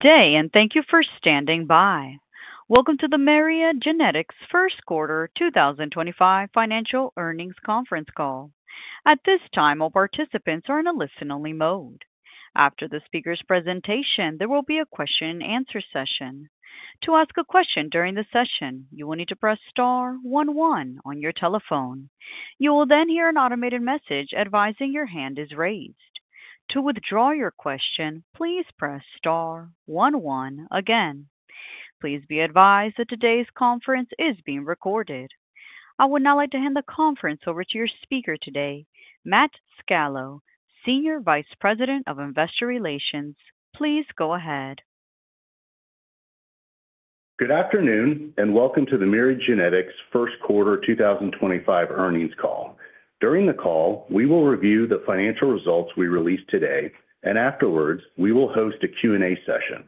Today, and thank you for standing by. Welcome to the Myriad Genetics first quarter 2025 financial earnings conference call. At this time, all participants are in a listen-only mode. After the speaker's presentation, there will be a question-and-answer session. To ask a question during the session, you will need to press star one one on your telephone. You will then hear an automated message advising your hand is raised. To withdraw your question, please press star one one again. Please be advised that today's conference is being recorded. I would now like to hand the conference over to your speaker today, Matt Scalo, Senior Vice President of Investor Relations. Please go ahead. Good afternoon, and welcome to the Myriad Genetics first quarter 2025 earnings call. During the call, we will review the financial results we released today, and afterwards, we will host a Q&A session.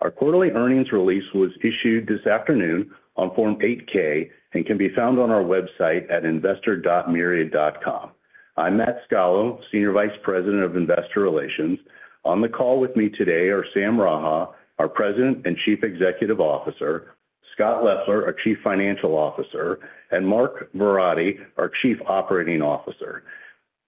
Our quarterly earnings release was issued this afternoon on Form 8-K and can be found on our website at investor.myriad.com. I'm Matt Scalo, Senior Vice President of Investor Relations. On the call with me today are Sam Raha, our President and Chief Executive Officer, Scott Leffler, our Chief Financial Officer, and Mark Verratti, our Chief Operating Officer.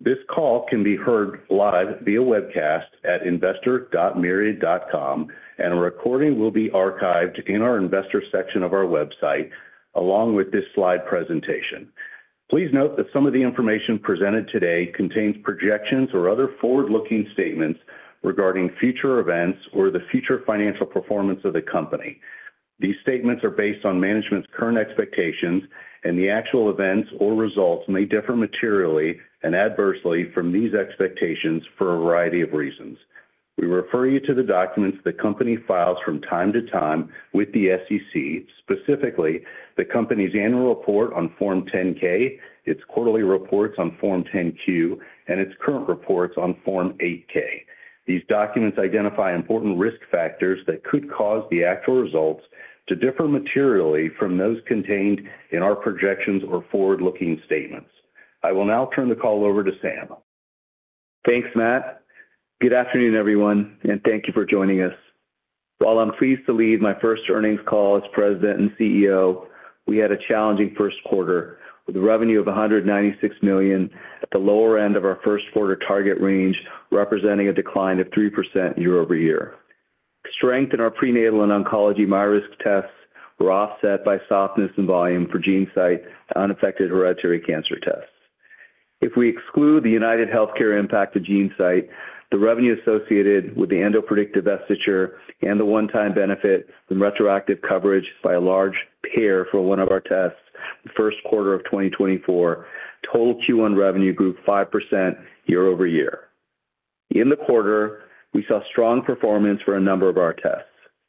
This call can be heard live via webcast at investor.myriad.com, and a recording will be archived in our investor section of our website, along with this slide presentation. Please note that some of the information presented today contains projections or other forward-looking statements regarding future events or the future financial performance of the company. These statements are based on management's current expectations, and the actual events or results may differ materially and adversely from these expectations for a variety of reasons. We refer you to the documents the company files from time to time with the SEC, specifically the company's annual report on Form 10-K, its quarterly reports on Form 10-Q, and its current reports on Form 8-K. These documents identify important risk factors that could cause the actual results to differ materially from those contained in our projections or forward-looking statements. I will now turn the call over to Sam. Thanks, Matt. Good afternoon, everyone, and thank you for joining us. While I'm pleased to lead my first earnings call as President and CEO, we had a challenging first quarter with a revenue of $196 million at the lower end of our first quarter target range, representing a decline of 3% year-over-year. Strength in our prenatal and oncology MyRisk Test were offset by softness in volume for GeneSight and unaffected hereditary cancer tests. If we exclude the UnitedHealthcare impact of GeneSight, the revenue associated with the EndoPredict divestiture and the one-time benefit from retroactive coverage by a large payer for one of our tests in the first quarter of 2024, total Q1 revenue grew 5% year-over-year. In the quarter, we saw strong performance for a number of our tests,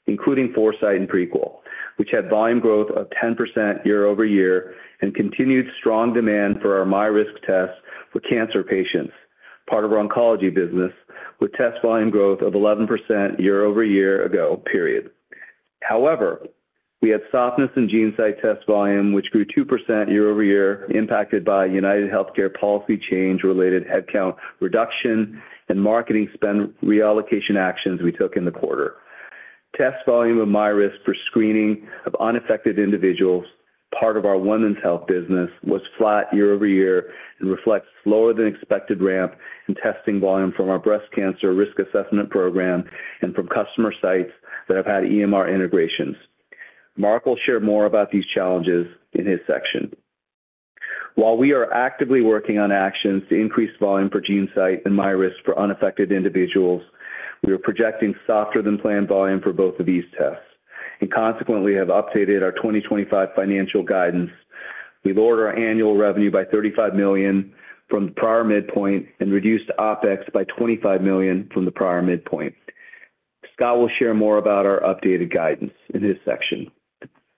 including Foresight and Prequel, which had volume growth of 10% year-over-year and continued strong demand for our MyRisk Test for cancer patients, part of our oncology business, with test volume growth of 11% year-over-year. However, we had softness in GeneSight test volume, which grew 2% year-over-year, impacted by UnitedHealthcare policy change-related headcount reduction and marketing spend reallocation actions we took in the quarter. Test volume of MyRisk for screening of unaffected individuals, part of our women's health business, was flat year-over-year and reflects lower-than-expected ramp in testing volume from our breast cancer risk assessment program and from customer sites that have had EMR integrations. Mark will share more about these challenges in his section. While we are actively working on actions to increase volume for GeneSight and MyRisk for unaffected individuals, we are projecting softer-than-planned volume for both of these tests and consequently have updated our 2025 financial guidance. We lowered our annual revenue by $35 million from the prior midpoint and reduced OpEx by $25 million from the prior midpoint. Scott will share more about our updated guidance in his section.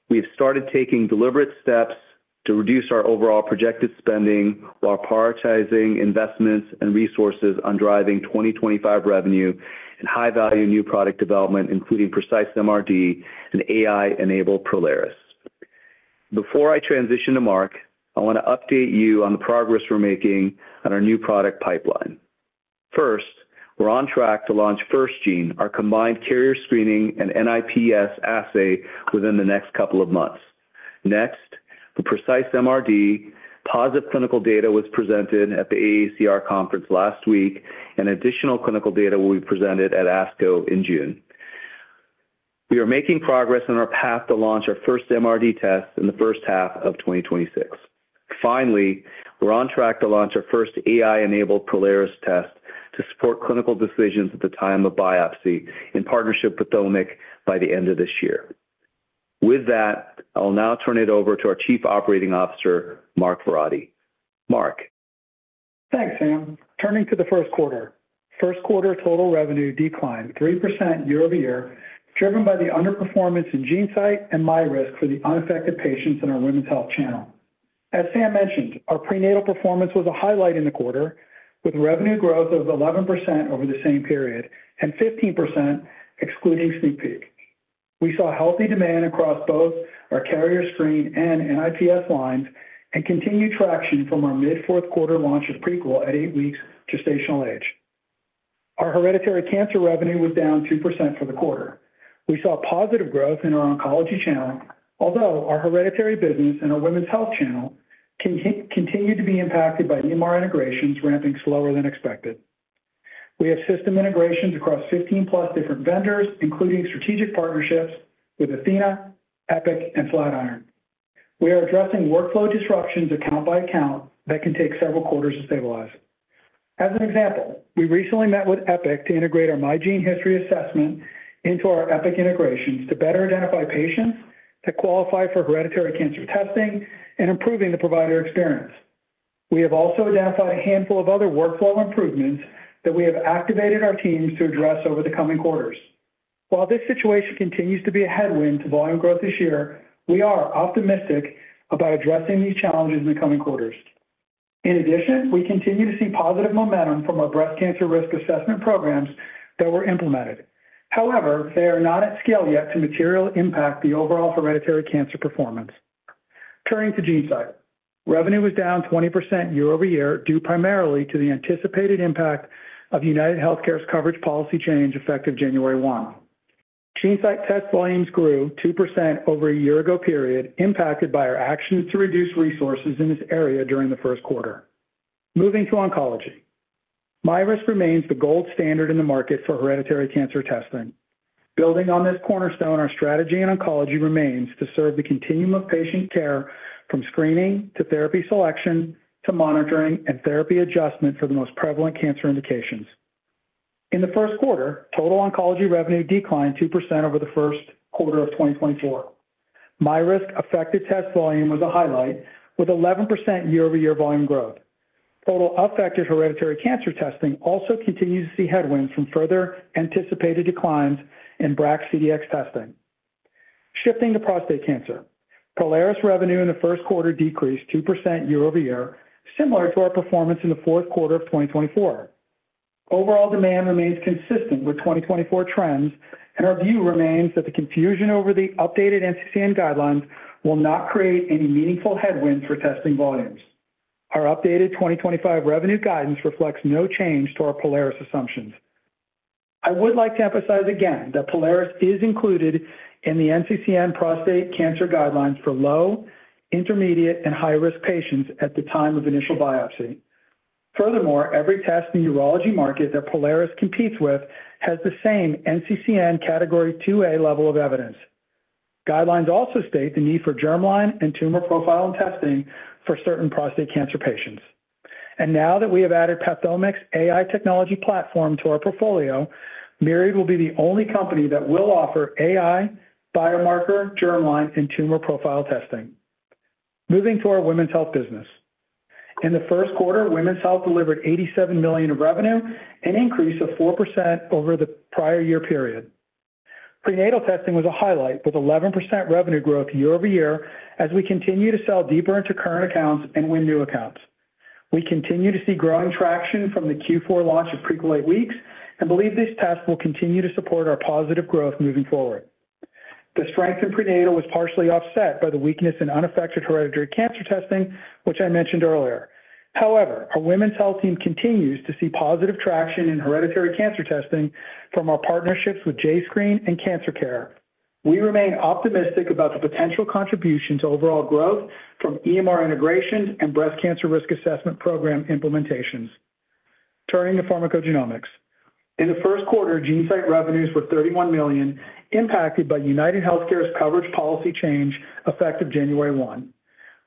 We have started taking deliberate steps to reduce our overall projected spending while prioritizing investments and resources on driving 2025 revenue and high-value new product development, including Precise MRD and AI-enabled Prolaris. Before I transition to Mark, I want to update you on the progress we're making on our new product pipeline. First, we're on track to launch FirstGene, our combined carrier screening and NIPS assay within the next couple of months. Next, the Precise MRD positive clinical data was presented at the AACR conference last week, and additional clinical data will be presented at ASCO in June. We are making progress on our path to launch our first MRD tests in the first half of 2026. Finally, we're on track to launch our first AI-enabled Prolaris test to support clinical decisions at the time of biopsy in partnership with PATHOMIQ by the end of this year. With that, I'll now turn it over to our Chief Operating Officer, Mark Verratti. Mark. Thanks, Sam. Turning to the first quarter, first quarter total revenue declined 3% year-over-year, driven by the underperformance in GeneSight and MyRisk for the unaffected patients in our women's health channel. As Sam mentioned, our prenatal performance was a highlight in the quarter, with revenue growth of 11% over the same period and 15% excluding SneakPeek. We saw healthy demand across both our carrier screen and NIPS lines and continued traction from our mid-fourth quarter launch of Prequel at eight weeks gestational age. Our hereditary cancer revenue was down 2% for the quarter. We saw positive growth in our oncology channel, although our hereditary business and our women's health channel continue to be impacted by EMR integrations ramping slower than expected. We have system integrations across 15+ different vendors, including strategic partnerships with Athena, Epic, and Flatiron. We are addressing workflow disruptions account by account that can take several quarters to stabilize. As an example, we recently met with Epic to integrate our MyGeneHistory Assessment into our Epic integrations to better identify patients that qualify for hereditary cancer testing and improving the provider experience. We have also identified a handful of other workflow improvements that we have activated our teams to address over the coming quarters. While this situation continues to be a headwind to volume growth this year, we are optimistic about addressing these challenges in the coming quarters. In addition, we continue to see positive momentum from our breast cancer risk assessment programs that were implemented. However, they are not at scale yet to materially impact the overall hereditary cancer performance. Turning to GeneSight, revenue was down 20% year-over-year, due primarily to the anticipated impact of UnitedHealthcare's coverage policy change effective January 1. GeneSight test volumes grew 2% over a year-ago period, impacted by our actions to reduce resources in this area during the first quarter. Moving to oncology, MyRisk remains the gold standard in the market for hereditary cancer testing. Building on this cornerstone, our strategy in oncology remains to serve the continuum of patient care from screening to therapy selection to monitoring and therapy adjustment for the most prevalent cancer indications. In the first quarter, total oncology revenue declined 2% over the first quarter of 2024. MyRisk affected test volume was a highlight, with 11% year-over-year volume growth. Total affected hereditary cancer testing also continues to see headwinds from further anticipated declines in BRAC CDx testing. Shifting to prostate cancer, Prolaris revenue in the first quarter decreased 2% year-over-year, similar to our performance in the fourth quarter of 2024. Overall demand remains consistent with 2024 trends, and our view remains that the confusion over the updated NCCN guidelines will not create any meaningful headwinds for testing volumes. Our updated 2025 revenue guidance reflects no change to our Prolaris assumptions. I would like to emphasize again that Prolaris is included in the NCCN prostate cancer guidelines for low, intermediate, and high-risk patients at the time of initial biopsy. Furthermore, every test in the urology market that Prolaris competes with has the same NCCN Category 2A level of evidence. Guidelines also state the need for germline and tumor profile testing for certain prostate cancer patients. Now that we have added PATHOMIQ's AI technology platform to our portfolio, Myriad will be the only company that will offer AI biomarker, germline, and tumor profile testing. Moving to our women's health business, in the first quarter, women's health delivered $87 million in revenue, an increase of 4% over the prior year period. Prenatal testing was a highlight, with 11% revenue growth year-over-year as we continue to sell deeper into current accounts and win new accounts. We continue to see growing traction from the Q4 launch of Prequel 8 Weeks and believe these tests will continue to support our positive growth moving forward. The strength in prenatal was partially offset by the weakness in unaffected hereditary cancer testing, which I mentioned earlier. However, our women's health team continues to see positive traction in hereditary cancer testing from our partnerships with jscreen and CancerCARE. We remain optimistic about the potential contribution to overall growth from EMR integrations and breast cancer risk assessment program implementations. Turning to pharmacogenomics, in the first quarter, GeneSight revenues were $31 million, impacted by UnitedHealthcare's coverage policy change effective January 1.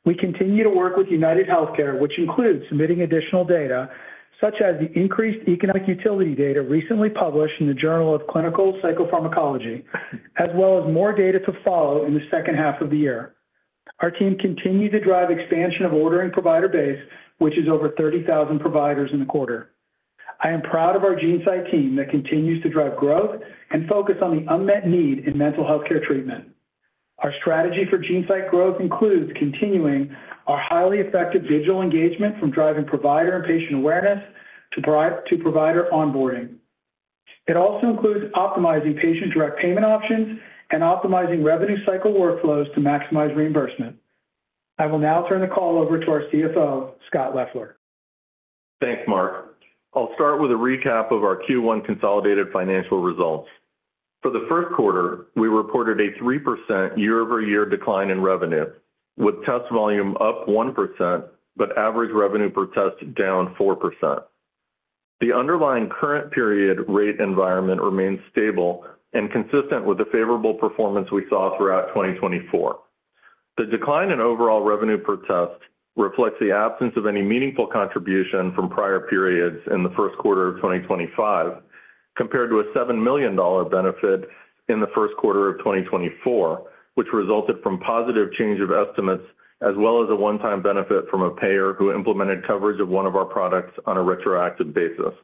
We continue to work with UnitedHealthcare, which includes submitting additional data such as the increased economic utility data recently published in the Journal of Clinical Psychopharmacology, as well as more data to follow in the second half of the year. Our team continues to drive expansion of ordering provider base, which is over 30,000 providers in the quarter. I am proud of our GeneSight team that continues to drive growth and focus on the unmet need in mental healthcare treatment. Our strategy for GeneSight growth includes continuing our highly effective digital engagement from driving provider and patient awareness to provider onboarding. It also includes optimizing patient-direct payment options and optimizing revenue cycle workflows to maximize reimbursement. I will now turn the call over to our CFO, Scott Leffler. Thanks, Mark. I'll start with a recap of our Q1 consolidated financial results. For the first quarter, we reported a 3% year-over-year decline in revenue, with test volume up 1%, but average revenue per test down 4%. The underlying current period rate environment remains stable and consistent with the favorable performance we saw throughout 2024. The decline in overall revenue per test reflects the absence of any meaningful contribution from prior periods in the first quarter of 2025, compared to a $7 million benefit in the first quarter of 2024, which resulted from positive change of estimates, as well as a one-time benefit from a payer who implemented coverage of one of our products on a retroactive basis.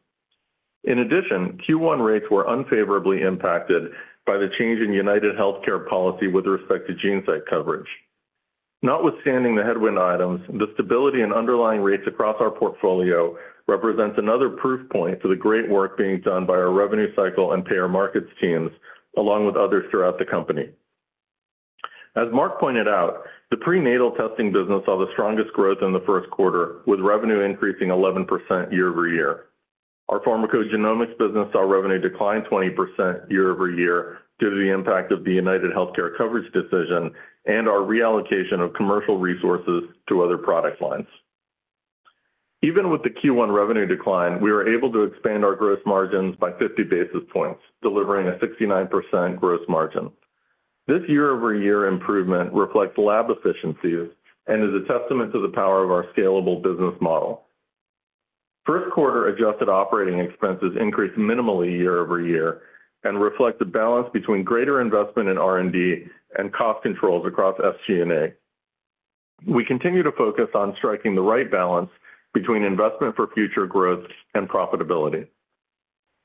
In addition, Q1 rates were unfavorably impacted by the change in UnitedHealthcare policy with respect to GeneSight coverage. Notwithstanding the headwind items, the stability in underlying rates across our portfolio represents another proof point to the great work being done by our revenue cycle and payer markets teams, along with others throughout the company. As Mark pointed out, the prenatal testing business saw the strongest growth in the first quarter, with revenue increasing 11% year-over-year. Our pharmacogenomics business saw revenue decline 20% year-over-year due to the impact of the UnitedHealthcare coverage decision and our reallocation of commercial resources to other product lines. Even with the Q1 revenue decline, we were able to expand our gross margins by 50 basis points, delivering a 69% gross margin. This year-over-year improvement reflects lab efficiencies and is a testament to the power of our scalable business model. First quarter adjusted operating expenses increased minimally year-over-year and reflect the balance between greater investment in R&D and cost controls across SG&A. We continue to focus on striking the right balance between investment for future growth and profitability.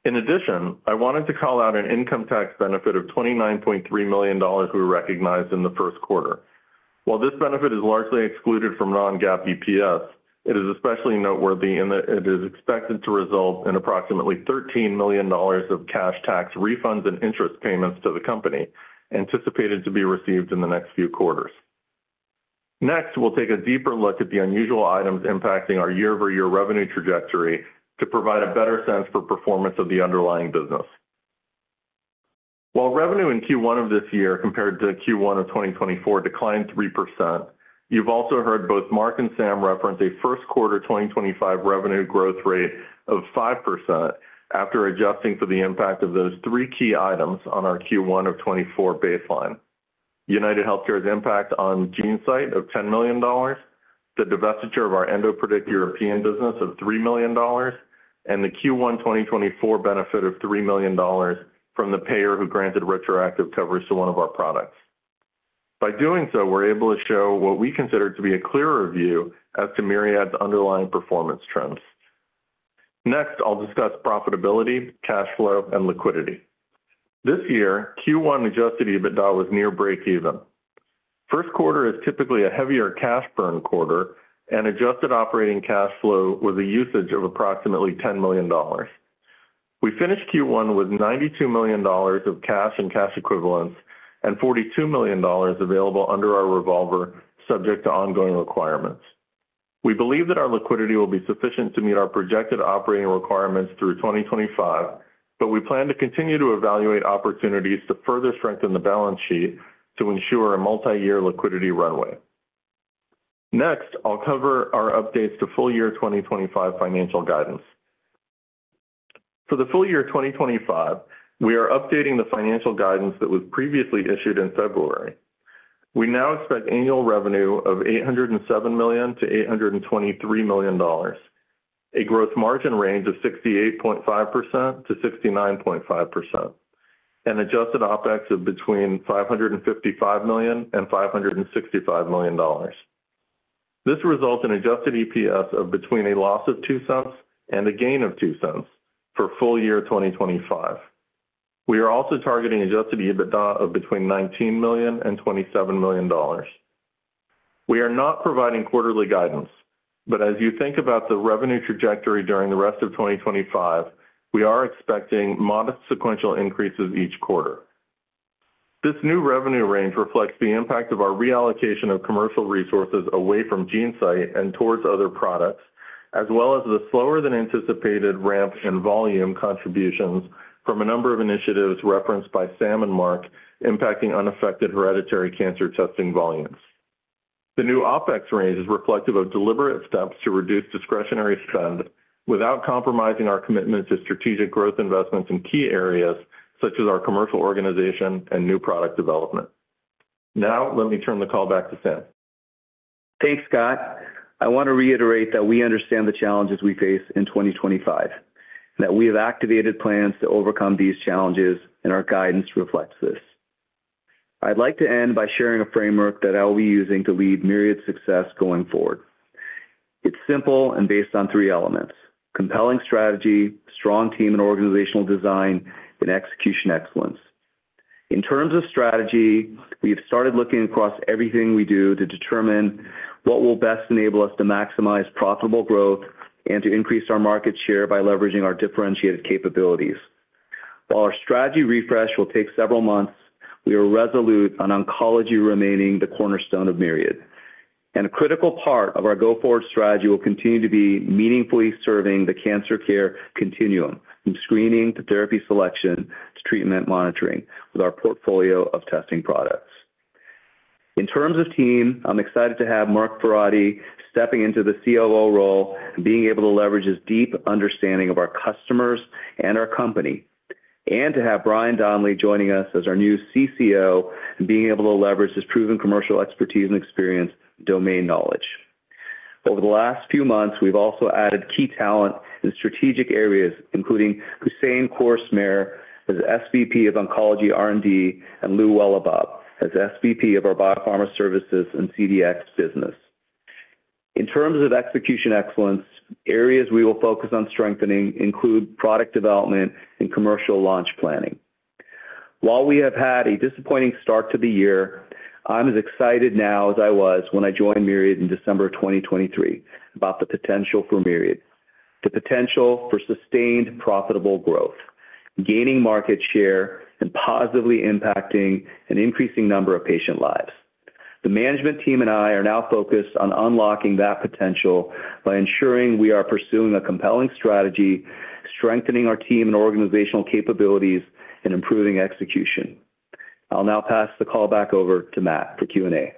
In addition, I wanted to call out an income tax benefit of $29.3 million we recognized in the first quarter. While this benefit is largely excluded from non-GAAP EPS, it is especially noteworthy in that it is expected to result in approximately $13 million of cash tax refunds and interest payments to the company, anticipated to be received in the next few quarters. Next, we'll take a deeper look at the unusual items impacting our year-over-year revenue trajectory to provide a better sense for performance of the underlying business. While revenue in Q1 of this year compared to Q1 of 2024 declined 3%, you've also heard both Mark and Sam reference a first quarter 2025 revenue growth rate of 5% after adjusting for the impact of those three key items on our Q1 of 2024 baseline: UnitedHealthcare's impact on GeneSight of $10 million, the divestiture of our EndoPredict European business of $3 million, and the Q1 2024 benefit of $3 million from the payer who granted retroactive coverage to one of our products. By doing so, we're able to show what we consider to be a clearer view as to Myriad's underlying performance trends. Next, I'll discuss profitability, cash flow, and liquidity. This year, Q1 adjusted EBITDA was near break-even. First quarter is typically a heavier cash burn quarter, and adjusted operating cash flow was a usage of approximately $10 million. We finished Q1 with $92 million of cash and cash equivalents and $42 million available under our revolver, subject to ongoing requirements. We believe that our liquidity will be sufficient to meet our projected operating requirements through 2025, but we plan to continue to evaluate opportunities to further strengthen the balance sheet to ensure a multi-year liquidity runway. Next, I'll cover our updates to full year 2025 financial guidance. For the full year 2025, we are updating the financial guidance that was previously issued in February. We now expect annual revenue of $807 million-$823 million, a gross margin range of 68.5%-69.5%, and adjusted OpEx of between $555 million and $565 million. This results in adjusted EPS of between a loss of $0.02 and a gain of $0.02 for full year 2025. We are also targeting adjusted EBITDA of between $19 million and $27 million. We are not providing quarterly guidance, but as you think about the revenue trajectory during the rest of 2025, we are expecting modest sequential increases each quarter. This new revenue range reflects the impact of our reallocation of commercial resources away from GeneSight and towards other products, as well as the slower-than-anticipated ramp in volume contributions from a number of initiatives referenced by Sam and Mark impacting unaffected hereditary cancer testing volumes. The new OpEx range is reflective of deliberate steps to reduce discretionary spend without compromising our commitment to strategic growth investments in key areas such as our commercial organization and new product development. Now, let me turn the call back to Sam. Thanks, Scott. I want to reiterate that we understand the challenges we face in 2025 and that we have activated plans to overcome these challenges, and our guidance reflects this. I'd like to end by sharing a framework that I'll be using to lead Myriad's success going forward. It's simple and based on three elements: compelling strategy, strong team and organizational design, and execution excellence. In terms of strategy, we have started looking across everything we do to determine what will best enable us to maximize profitable growth and to increase our market share by leveraging our differentiated capabilities. While our strategy refresh will take several months, we are resolute on oncology remaining the cornerstone of Myriad, and a critical part of our go forward strategy will continue to be meaningfully serving the cancer care continuum, from screening to therapy selection to treatment monitoring with our portfolio of testing products. In terms of team, I'm excited to have Mark Verratti stepping into the COO role and being able to leverage his deep understanding of our customers and our company, and to have Brian Donnelly joining us as our new CCO and being able to leverage his proven commercial expertise and experience and domain knowledge. Over the last few months, we've also added key talent in strategic areas, including Hosein Kouros-Mehr as SVP of Oncology R&D and Lou Welebob as SVP of our biopharma services and CDx business. In terms of execution excellence, areas we will focus on strengthening include product development and commercial launch planning. While we have had a disappointing start to the year, I'm as excited now as I was when I joined Myriad in December 2023 about the potential for Myriad, the potential for sustained profitable growth, gaining market share, and positively impacting an increasing number of patient lives. The management team and I are now focused on unlocking that potential by ensuring we are pursuing a compelling strategy, strengthening our team and organizational capabilities, and improving execution. I'll now pass the call back over to Matt for Q&A.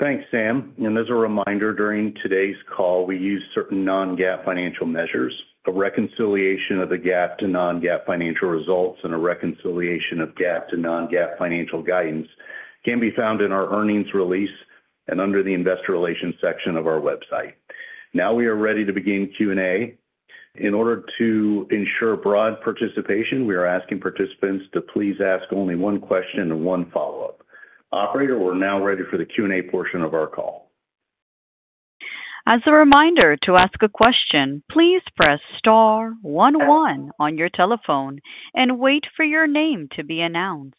Thanks, Sam. As a reminder, during today's call, we used certain non-GAAP financial measures. A reconciliation of the GAAP to non-GAAP financial results and a reconciliation of GAAP to non-GAAP financial guidance can be found in our earnings release and under the investor relations section of our website. Now we are ready to begin Q&A. In order to ensure broad participation, we are asking participants to please ask only one question and one follow-up. Operator, we're now ready for the Q&A portion of our call. As a reminder to ask a question, please press star one one on your telephone and wait for your name to be announced.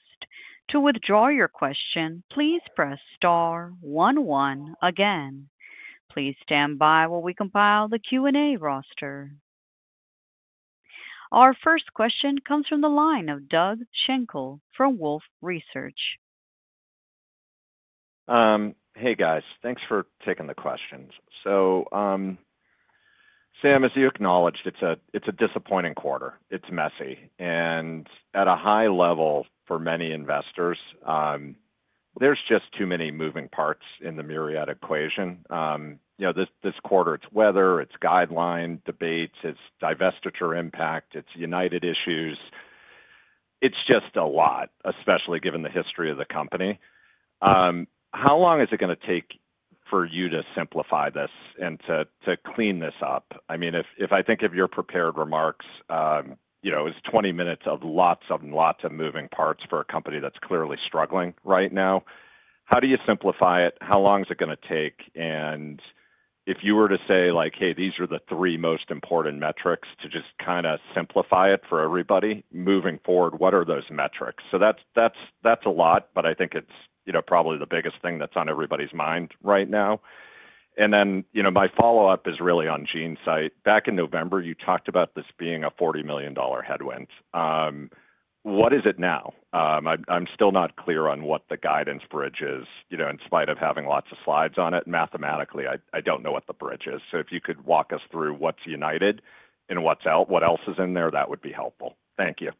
To withdraw your question, please press star one one again. Please stand by while we compile the Q&A roster. Our first question comes from the line of Doug Schenkel from Wolfe Research. Hey, guys. Thanks for taking the questions. Sam, as you acknowledged, it's a disappointing quarter. It's messy. At a high level for many investors, there's just too many moving parts in the Myriad equation. This quarter, it's weather, it's guideline debates, it's divestiture impact, it's United issues. It's just a lot, especially given the history of the company. How long is it going to take for you to simplify this and to clean this up? I mean, if I think of your prepared remarks, it's 20 minutes of lots and lots of moving parts for a company that's clearly struggling right now. How do you simplify it? How long is it going to take? If you were to say, like, "Hey, these are the three most important metrics to just kind of simplify it for everybody," moving forward, what are those metrics? That's a lot, but I think it's probably the biggest thing that's on everybody's mind right now. My follow-up is really on GeneSight. Back in November, you talked about this being a $40 million headwind. What is it now? I'm still not clear on what the guidance bridge is. In spite of having lots of slides on it, mathematically, I don't know what the bridge is. If you could walk us through what's United and what else is in there, that would be helpful. Thank you.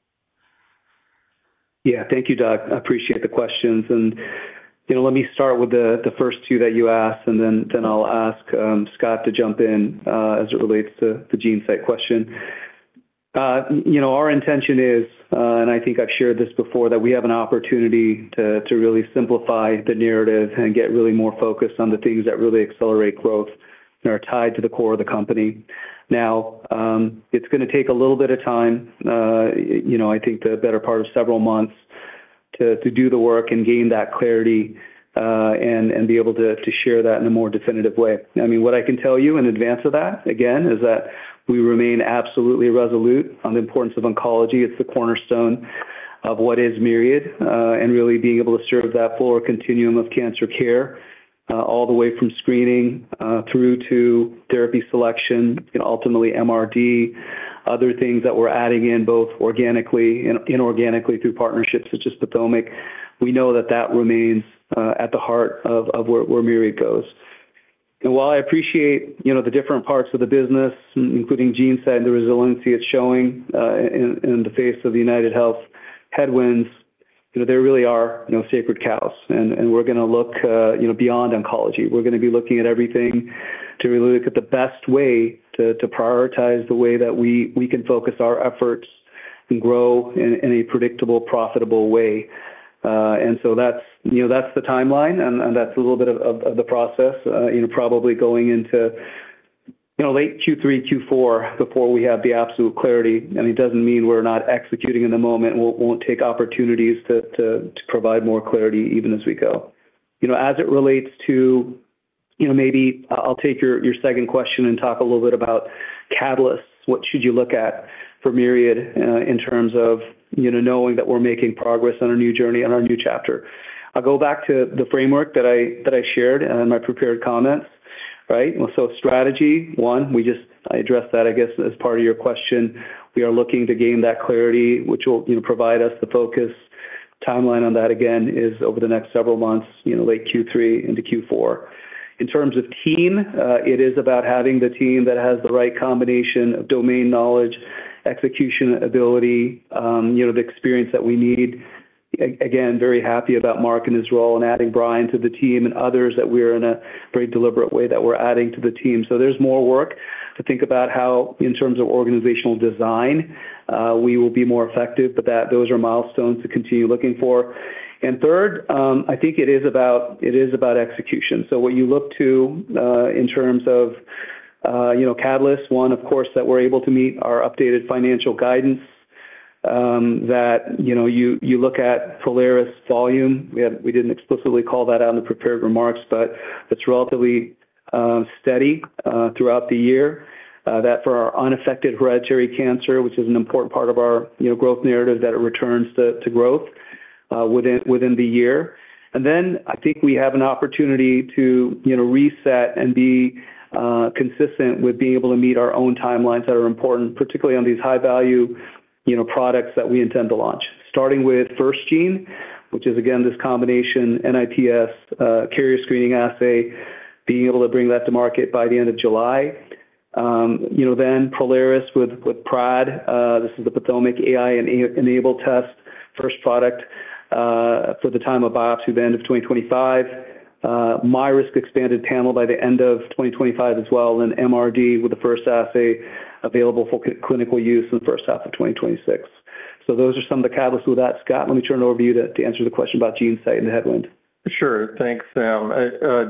Yeah, thank you, Doug. I appreciate the questions. Let me start with the first two that you asked, and then I'll ask Scott to jump in as it relates to the GeneSight question. Our intention is, and I think I've shared this before, that we have an opportunity to really simplify the narrative and get really more focused on the things that really accelerate growth and are tied to the core of the company. Now, it's going to take a little bit of time, I think the better part of several months, to do the work and gain that clarity and be able to share that in a more definitive way. I mean, what I can tell you in advance of that, again, is that we remain absolutely resolute on the importance of oncology. It's the cornerstone of what is Myriad and really being able to serve that full continuum of cancer care all the way from screening through to therapy selection and ultimately MRD, other things that we're adding in both organically and inorganically through partnerships such as PATHOMIQ. We know that that remains at the heart of where Myriad goes. While I appreciate the different parts of the business, including GeneSight and the resiliency it's showing in the face of the UnitedHealth headwinds, there really are sacred cows, and we're going to look beyond oncology. We're going to be looking at everything to really look at the best way to prioritize the way that we can focus our efforts and grow in a predictable, profitable way. That's the timeline, and that's a little bit of the process, probably going into late Q3, Q4 before we have the absolute clarity. It does not mean we are not executing in the moment and will not take opportunities to provide more clarity even as we go. As it relates to maybe I will take your second question and talk a little bit about catalysts. What should you look at for Myriad in terms of knowing that we are making progress on our new journey and our new chapter? I will go back to the framework that I shared in my prepared comments. Strategy, one, I just addressed that, I guess, as part of your question. We are looking to gain that clarity, which will provide us the focus. Timeline on that, again, is over the next several months, late Q3 into Q4. In terms of team, it is about having the team that has the right combination of domain knowledge, execution ability, the experience that we need. Again, very happy about Mark and his role in adding Brian to the team and others that we are in a very deliberate way that we're adding to the team. There is more work to think about how, in terms of organizational design, we will be more effective, but those are milestones to continue looking for. Third, I think it is about execution. What you look to in terms of catalysts, one, of course, that we're able to meet our updated financial guidance, that you look at Prolaris volume. We did not explicitly call that out in the prepared remarks, but it is relatively steady throughout the year, that for our unaffected hereditary cancer, which is an important part of our growth narrative, that it returns to growth within the year. I think we have an opportunity to reset and be consistent with being able to meet our own timelines that are important, particularly on these high-value products that we intend to launch, starting with FirstGene, which is, again, this combination NIPS carrier screening assay, being able to bring that to market by the end of July. Then Prolaris with Pride. This is the PATHOMIQ AI-enabled test, first product for the time of biopsy at the end of 2025. MyRisk expanded panel by the end of 2025 as well, and then MRD with the first assay available for clinical use in the first half of 2026. Those are some of the catalysts with that. Scott, let me turn it over to you to answer the question about GeneSight and the headwind. Sure. Thanks, Sam.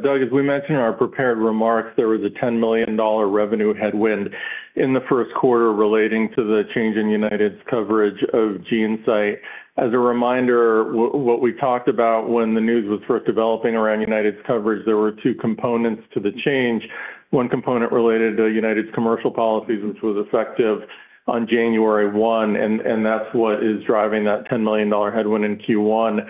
Doug, as we mentioned in our prepared remarks, there was a $10 million revenue headwind in the first quarter relating to the change in United's coverage of GeneSight. As a reminder, what we talked about when the news was first developing around United's coverage, there were two components to the change. One component related to United's commercial policies, which was effective on January 1, and that's what is driving that $10 million headwind in Q1.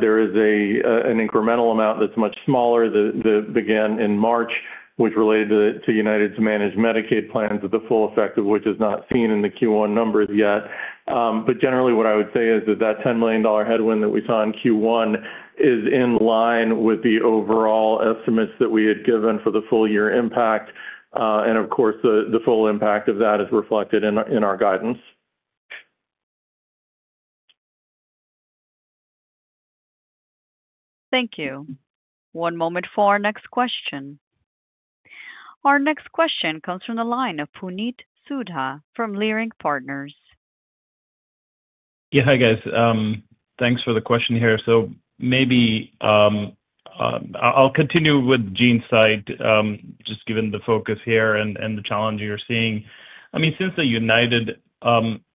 There is an incremental amount that's much smaller that began in March, which related to United's managed Medicaid plans, the full effect of which is not seen in the Q1 numbers yet. Generally, what I would say is that that $10 million headwind that we saw in Q1 is in line with the overall estimates that we had given for the full year impact. The full impact of that is reflected in our guidance. Thank you. One moment for our next question. Our next question comes from the line of Puneet Souda from Leerink Partners. Yeah, hi guys. Thanks for the question here. Maybe I'll continue with GeneSight, just given the focus here and the challenge you're seeing. I mean, since the United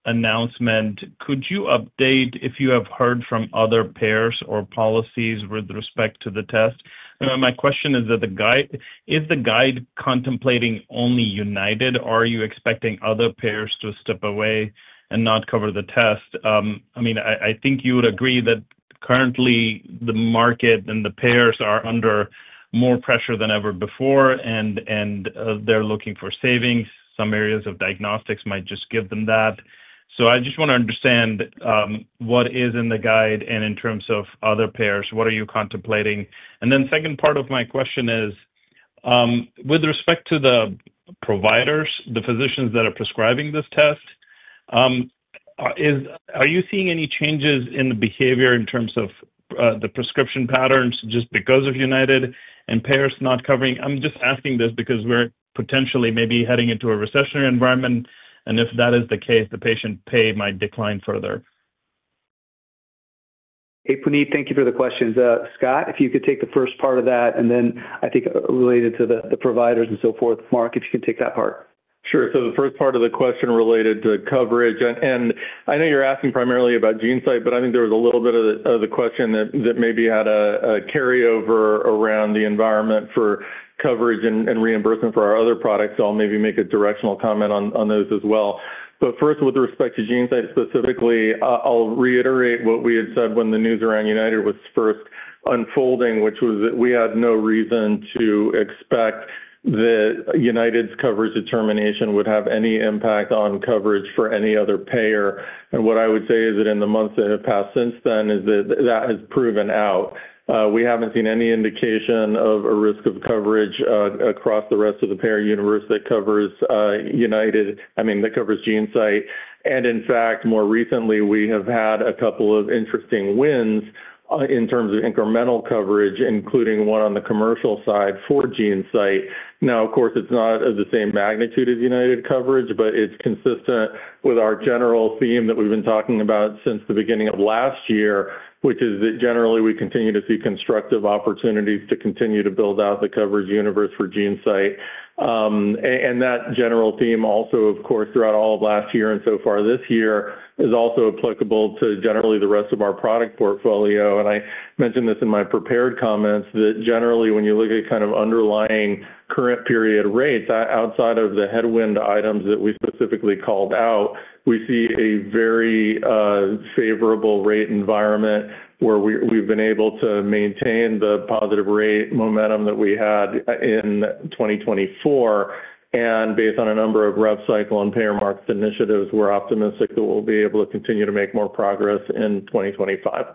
announcement, could you update if you have heard from other payers or policies with respect to the test? My question is, is the guide contemplating only United? Are you expecting other payers to step away and not cover the test? I mean, I think you would agree that currently the market and the payers are under more pressure than ever before, and they're looking for savings. Some areas of diagnostics might just give them that. I just want to understand what is in the guide and in terms of other payers, what are you contemplating? The second part of my question is, with respect to the providers, the physicians that are prescribing this test, are you seeing any changes in the behavior in terms of the prescription patterns just because of United and payers not covering? I'm just asking this because we're potentially maybe heading into a recessionary environment, and if that is the case, the patient pay might decline further. Hey, Puneet, thank you for the questions. Scott, if you could take the first part of that, and then I think related to the providers and so forth, Mark, if you can take that part. Sure. The first part of the question related to coverage, and I know you're asking primarily about GeneSight, but I think there was a little bit of the question that maybe had a carryover around the environment for coverage and reimbursement for our other products. I'll maybe make a directional comment on those as well. First, with respect to GeneSight specifically, I'll reiterate what we had said when the news around United was first unfolding, which was that we had no reason to expect that United's coverage determination would have any impact on coverage for any other payer. What I would say is that in the months that have passed since then is that that has proven out. We haven't seen any indication of a risk of coverage across the rest of the payer universe that covers United, I mean, that covers GeneSight. In fact, more recently, we have had a couple of interesting wins in terms of incremental coverage, including one on the commercial side for GeneSight. Of course, it is not of the same magnitude as United coverage, but it is consistent with our general theme that we have been talking about since the beginning of last year, which is that generally we continue to see constructive opportunities to continue to build out the coverage universe for GeneSight. That general theme also, of course, throughout all of last year and so far this year is also applicable to generally the rest of our product portfolio. I mentioned this in my prepared comments that generally when you look at kind of underlying current period rates, outside of the headwind items that we specifically called out, we see a very favorable rate environment where we've been able to maintain the positive rate momentum that we had in 2024. Based on a number of RevCycle and payer markets initiatives, we're optimistic that we'll be able to continue to make more progress in 2025.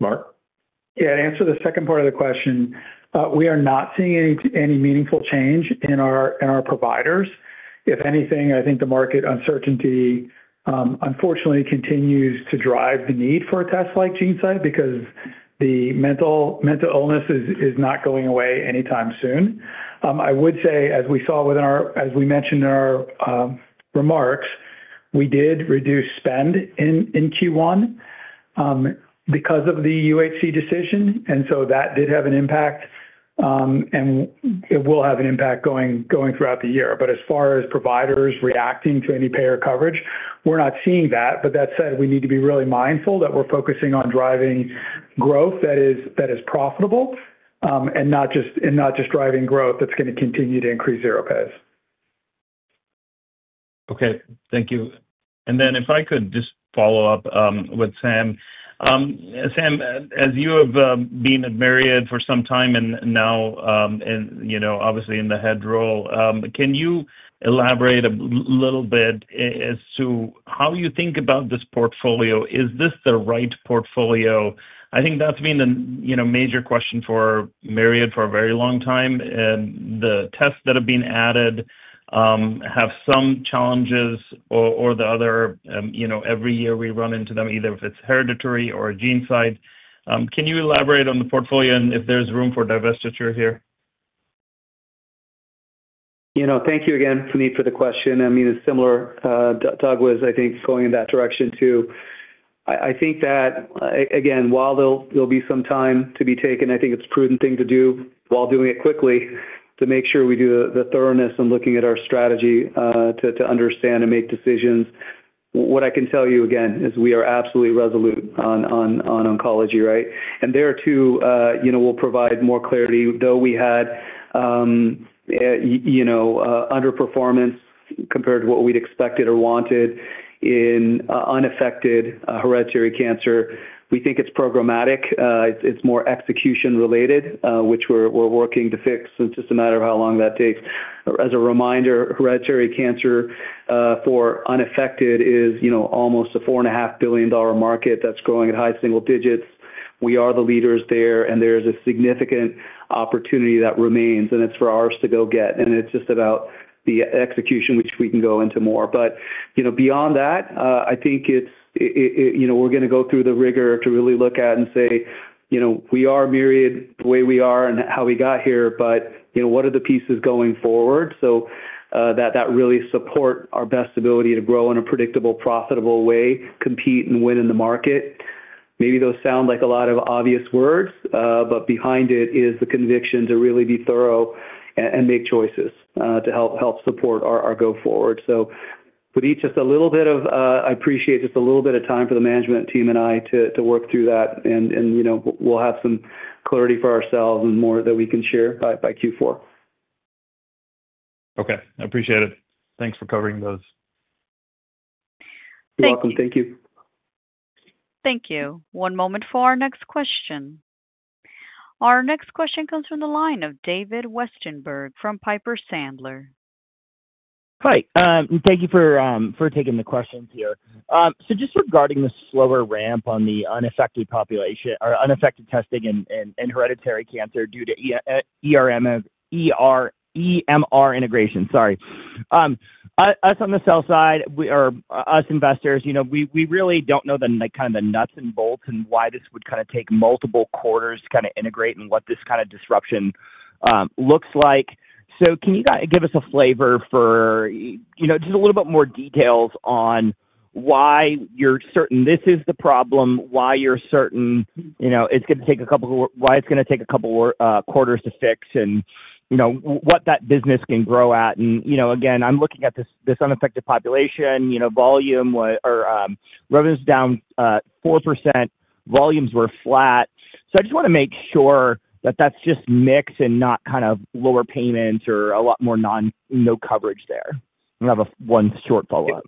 Mark? Yeah, to answer the second part of the question, we are not seeing any meaningful change in our providers. If anything, I think the market uncertainty unfortunately continues to drive the need for a test like GeneSight because the mental illness is not going away anytime soon. I would say, as we saw within our, as we mentioned in our remarks, we did reduce spend in Q1 because of the UHC decision, and so that did have an impact, and it will have an impact going throughout the year. As far as providers reacting to any payer coverage, we're not seeing that. That said, we need to be really mindful that we're focusing on driving growth that is profitable and not just driving growth that's going to continue to increase zero pays. Okay. Thank you. If I could just follow up with Sam. Sam, as you have been at Myriad for some time and now, obviously, in the head role, can you elaborate a little bit as to how you think about this portfolio? Is this the right portfolio? I think that's been a major question for Myriad for a very long time. The tests that have been added have some challenges or the other, every year we run into them, either if it's hereditary or GeneSight. Can you elaborate on the portfolio and if there's room for divestiture here? Thank you again, Puneet, for the question. I mean, it's similar. Doug was, I think, going in that direction too. I think that, again, while there'll be some time to be taken, I think it's a prudent thing to do while doing it quickly to make sure we do the thoroughness and looking at our strategy to understand and make decisions. What I can tell you, again, is we are absolutely resolute on oncology, right? There too, we'll provide more clarity, though we had underperformance compared to what we'd expected or wanted in unaffected hereditary cancer. We think it's programmatic. It's more execution-related, which we're working to fix. It's just a matter of how long that takes. As a reminder, hereditary cancer for unaffected is almost a $4.5 billion market that's growing at high single digits. We are the leaders there, and there is a significant opportunity that remains, and it's for ours to go get. It's just about the execution, which we can go into more. Beyond that, I think we're going to go through the rigor to really look at and say, "We are Myriad the way we are and how we got here, but what are the pieces going forward?" That really supports our best ability to grow in a predictable, profitable way, compete, and win in the market. Maybe those sound like a lot of obvious words, but behind it is the conviction to really be thorough and make choices to help support our go-forward. Puneet, just a little bit of I appreciate just a little bit of time for the management team and I to work through that, and we'll have some clarity for ourselves and more that we can share by Q4. Okay. I appreciate it. Thanks for covering those. You're welcome. Thank you. Thank you. One moment for our next question. Our next question comes from the line of David Westenberg from Piper Sandler. Hi. Thank you for taking the questions here. Just regarding the slower ramp on the unaffected population or unaffected testing in hereditary cancer due to EMR integration, sorry. Us on the sell side, or us investors, we really do not know kind of the nuts and bolts and why this would kind of take multiple quarters to kind of integrate and what this kind of disruption looks like. Can you give us a flavor for just a little bit more details on why you are certain this is the problem, why you are certain it is going to take a couple of why it is going to take a couple of quarters to fix, and what that business can grow at? Again, I am looking at this unaffected population volume or revenue is down 4%. Volumes were flat. I just want to make sure that that's just mixed and not kind of lower payments or a lot more no coverage there. I have one short follow-up.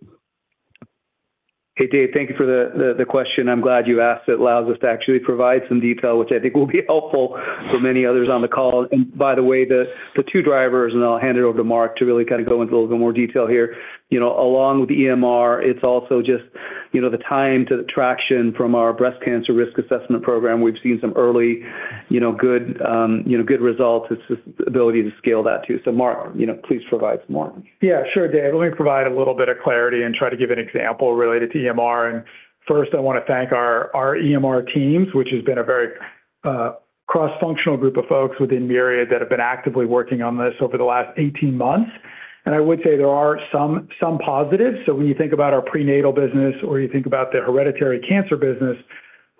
Hey, Dave, thank you for the question. I'm glad you asked. It allows us to actually provide some detail, which I think will be helpful for many others on the call. By the way, the two drivers, and I'll hand it over to Mark to really kind of go into a little bit more detail here. Along with the EMR, it's also just the time to traction from our breast cancer risk assessment program. We've seen some early good results. It's just the ability to scale that too. Mark, please provide some more. Yeah, sure, Dave. Let me provide a little bit of clarity and try to give an example related to EMR. First, I want to thank our EMR teams, which has been a very cross-functional group of folks within Myriad that have been actively working on this over the last 18 months. I would say there are some positives. When you think about our prenatal business or you think about the hereditary cancer business,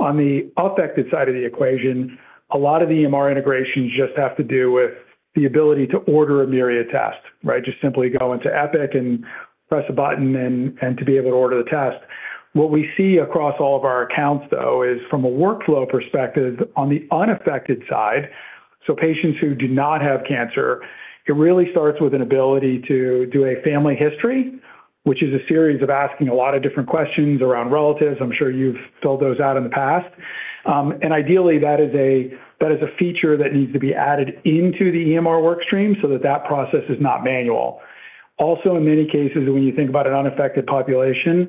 on the affected side of the equation, a lot of the EMR integrations just have to do with the ability to order a Myriad test, right? Just simply go into Epic and press a button and to be able to order the test. What we see across all of our accounts, though, is from a workflow perspective on the unaffected side, so patients who do not have cancer, it really starts with an ability to do a family history, which is a series of asking a lot of different questions around relatives. I'm sure you've filled those out in the past. Ideally, that is a feature that needs to be added into the EMR workstream so that process is not manual. Also, in many cases, when you think about an unaffected population,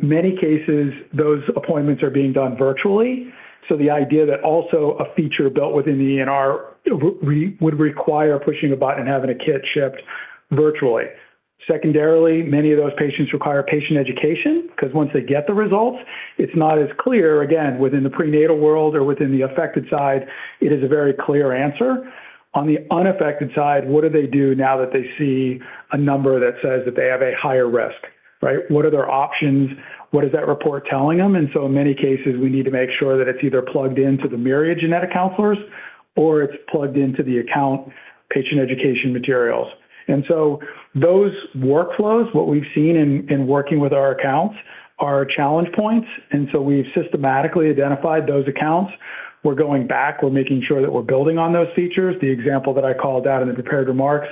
many cases, those appointments are being done virtually. The idea that also a feature built within the EMR would require pushing a button and having a kit shipped virtually. Secondarily, many of those patients require patient education because once they get the results, it's not as clear, again, within the prenatal world or within the affected side, it is a very clear answer. On the unaffected side, what do they do now that they see a number that says that they have a higher risk, right? What are their options? What is that report telling them? In many cases, we need to make sure that it's either plugged into the Myriad genetic counselors or it's plugged into the account patient education materials. Those workflows, what we've seen in working with our accounts, are challenge points. We've systematically identified those accounts. We're going back. We're making sure that we're building on those features. The example that I called out in the prepared remarks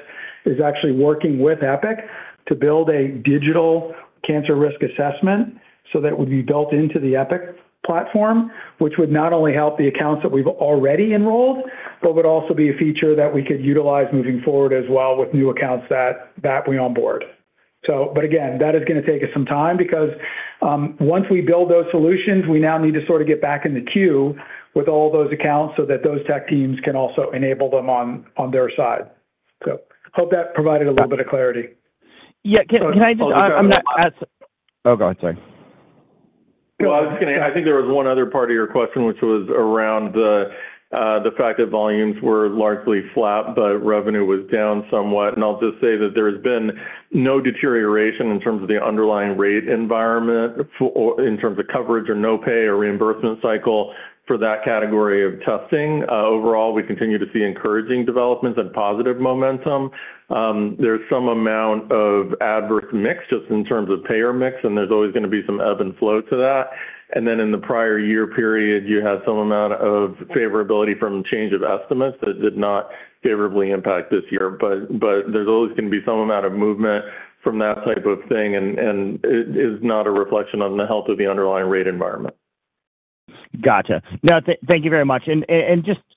is actually working with Epic to build a digital cancer risk assessment so that it would be built into the Epic platform, which would not only help the accounts that we've already enrolled, but would also be a feature that we could utilize moving forward as well with new accounts that we onboard. That is going to take us some time because once we build those solutions, we now need to sort of get back in the queue with all those accounts so that those tech teams can also enable them on their side. Hope that provided a little bit of clarity. Yeah. Can I just ask? Oh, go ahead. Sorry. I think there was one other part of your question, which was around the fact that volumes were largely flat, but revenue was down somewhat. I'll just say that there has been no deterioration in terms of the underlying rate environment in terms of coverage or no pay or reimbursement cycle for that category of testing. Overall, we continue to see encouraging developments and positive momentum. There's some amount of adverse mix just in terms of payer mix, and there's always going to be some ebb and flow to that. In the prior year period, you had some amount of favorability from change of estimates that did not favorably impact this year. There is always going to be some amount of movement from that type of thing, and it is not a reflection on the health of the underlying rate environment. Gotcha. No, thank you very much.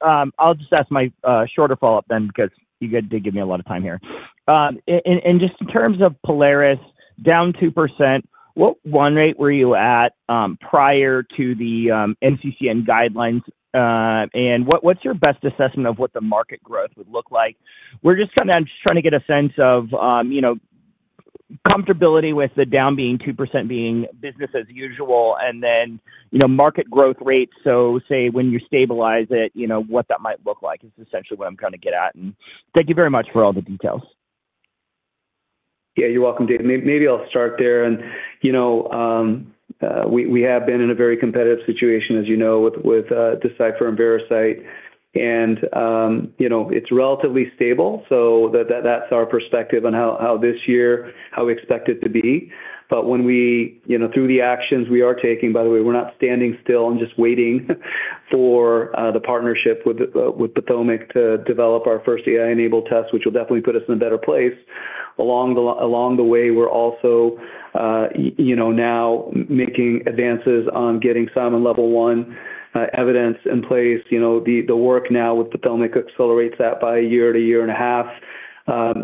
I'll just ask my shorter follow-up then because you did give me a lot of time here. Just in terms of Prolaris, down 2%, what run rate were you at prior to the NCCN guidelines? What's your best assessment of what the market growth would look like? We're just kind of trying to get a sense of comfortability with the down being 2% being business as usual and then market growth rates. Say when you stabilize it, what that might look like is essentially what I'm trying to get at. Thank you very much for all the details. Yeah, you're welcome, Dave. Maybe I'll start there. We have been in a very competitive situation, as you know, with Decipher and Veracyte. It is relatively stable. That is our perspective on how this year, how we expect it to be. Through the actions we are taking, by the way, we're not standing still and just waiting for the partnership with PATHOMIQ to develop our first AI-enabled test, which will definitely put us in a better place. Along the way, we're also now making advances on getting Simon level one evidence in place. The work now with PATHOMIQ accelerates that by a year to a year and a half.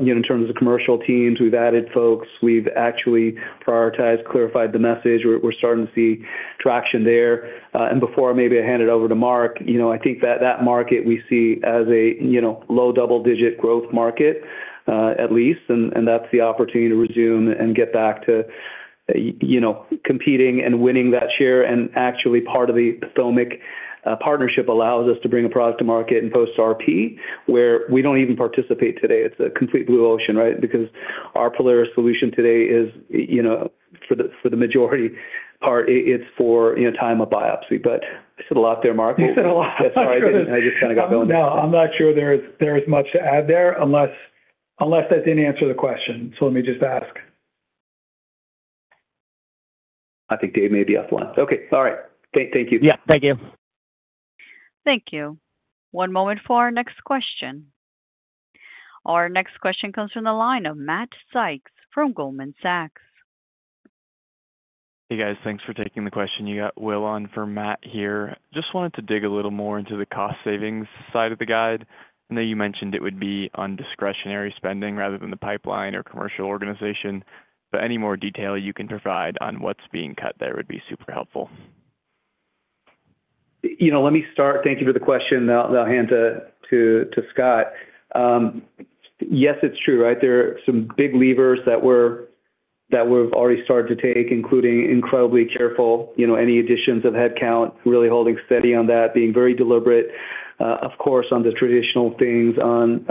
In terms of commercial teams, we've added folks. We've actually prioritized, clarified the message. We're starting to see traction there. Before maybe I hand it over to Mark, I think that market we see as a low double-digit growth market, at least. That is the opportunity to resume and get back to competing and winning that share. Actually, part of the PATHOMIQ partnership allows us to bring a product to market and post-RP where we do not even participate today. It is a complete blue ocean, right? Because our Prolaris solution today is, for the majority part, it is for time of biopsy. I said a lot there, Mark. You said a lot. I am sorry. I just kind of got going. I am not sure there is much to add there unless that did not answer the question. Let me just ask. I think Dave may be up one. Okay. All right. Thank you. Yeah. Thank you. Thank you. One moment for our next question. Our next question comes from the line of Matt Sykes from Goldman Sachs. Hey, guys. Thanks for taking the question. You got Will on from Matt here. Just wanted to dig a little more into the cost savings side of the guide. I know you mentioned it would be on discretionary spending rather than the pipeline or commercial organization. Any more detail you can provide on what's being cut there would be super helpful. Let me start. Thank you for the question. I'll hand it to Scott. Yes, it's true, right? There are some big levers that we've already started to take, including incredibly careful any additions of headcount, really holding steady on that, being very deliberate, of course, on the traditional things, on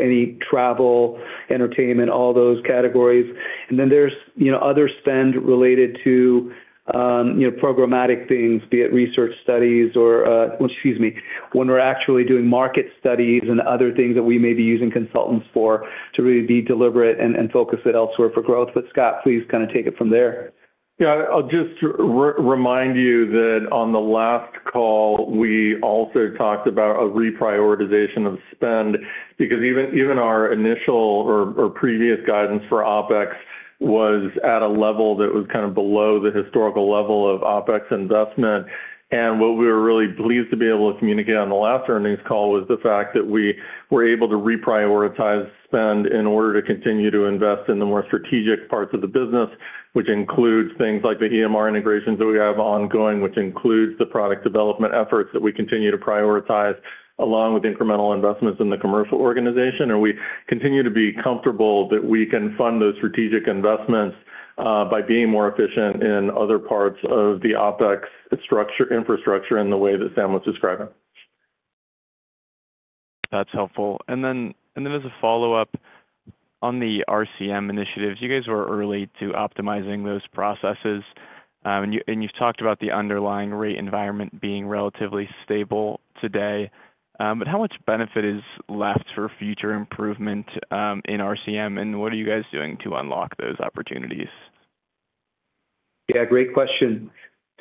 any travel, entertainment, all those categories. Then there's other spend related to programmatic things, be it research studies or, excuse me, when we're actually doing market studies and other things that we may be using consultants for to really be deliberate and focus it elsewhere for growth. But Scott, please kind of take it from there. Yeah. I'll just remind you that on the last call, we also talked about a reprioritization of spend because even our initial or previous guidance for OpEx was at a level that was kind of below the historical level of OpEx investment. What we were really pleased to be able to communicate on the last earnings call was the fact that we were able to reprioritize spend in order to continue to invest in the more strategic parts of the business, which includes things like the EMR integrations that we have ongoing, which includes the product development efforts that we continue to prioritize along with incremental investments in the commercial organization. We continue to be comfortable that we can fund those strategic investments by being more efficient in other parts of the OpEx structure infrastructure in the way that Sam was describing. That's helpful. As a follow-up on the RCM initiatives, you guys were early to optimizing those processes. You have talked about the underlying rate environment being relatively stable today. How much benefit is left for future improvement in RCM? What are you guys doing to unlock those opportunities? Yeah, great question.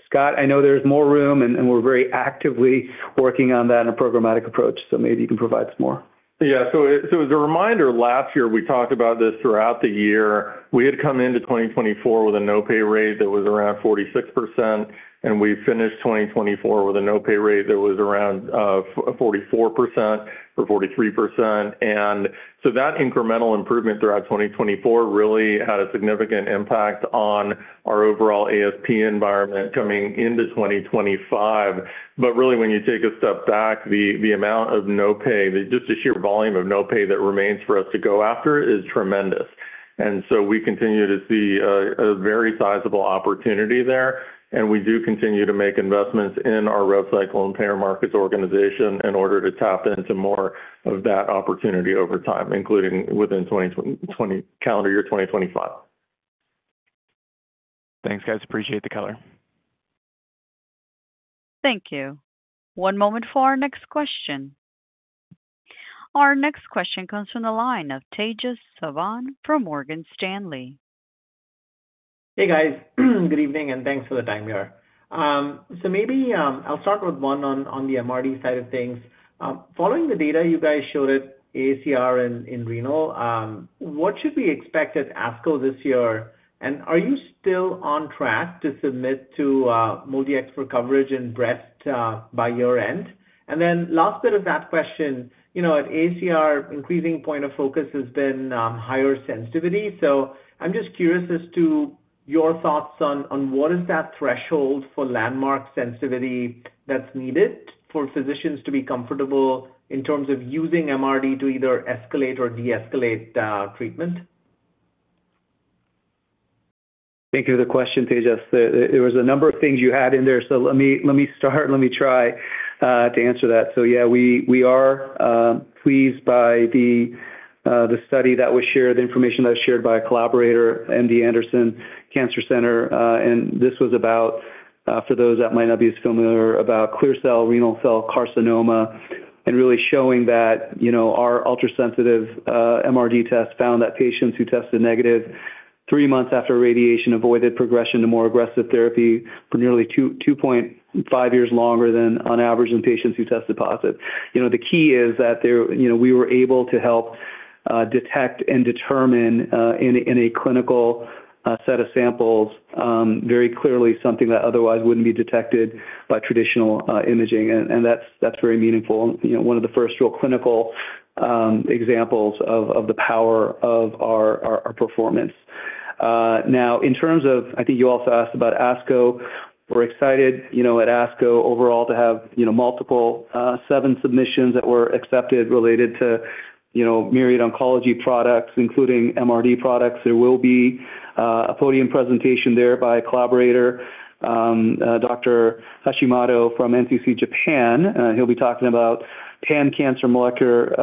Scott, I know there's more room, and we're very actively working on that in a programmatic approach. So maybe you can provide some more. Yeah. As a reminder, last year, we talked about this throughout the year. We had come into 2024 with a no-pay rate that was around 46%. We finished 2024 with a no-pay rate that was around 44% or 43%. That incremental improvement throughout 2024 really had a significant impact on our overall ASP environment coming into 2025. Really, when you take a step back, the amount of no-pay, just the sheer volume of no-pay that remains for us to go after is tremendous. We continue to see a very sizable opportunity there. We do continue to make investments in our road cycle and payer markets organization in order to tap into more of that opportunity over time, including within calendar year 2025. Thanks, guys. Appreciate the color. Thank you. One moment for our next question. Our next question comes from the line of Tejas Savant from Morgan Stanley. Hey, guys. Good evening and thanks for the time. Maybe I'll start with one on the MRD side of things. Following the data you guys showed at AACR in Reno, what should we expect at ASCO this year? Are you still on track to submit to Multi-X for coverage in breast by year-end? The last bit of that question, at AACR, increasing point of focus has been higher sensitivity. I'm just curious as to your thoughts on what is that threshold for landmark sensitivity that's needed for physicians to be comfortable in terms of using MRD to either escalate or de-escalate treatment? Thank you for the question, Tejas. There was a number of things you had in there. Let me start and let me try to answer that. Yeah, we are pleased by the study that was shared, the information that was shared by a collaborator, MD Anderson Cancer Center. This was about, for those that might not be as familiar, about clear cell renal cell carcinoma and really showing that our ultrasensitive MRD test found that patients who tested negative three months after radiation avoided progression to more aggressive therapy for nearly 2.5 years longer than on average in patients who tested positive. The key is that we were able to help detect and determine in a clinical set of samples very clearly something that otherwise would not be detected by traditional imaging. That is very meaningful. One of the first real clinical examples of the power of our performance. Now, in terms of, I think you also asked about ASCO, we're excited at ASCO overall to have multiple, seven submissions that were accepted related to Myriad oncology products, including MRD products. There will be a podium presentation there by a collaborator, Dr. Hashimoto from NCC Japan. He'll be talking about pan-cancer molecular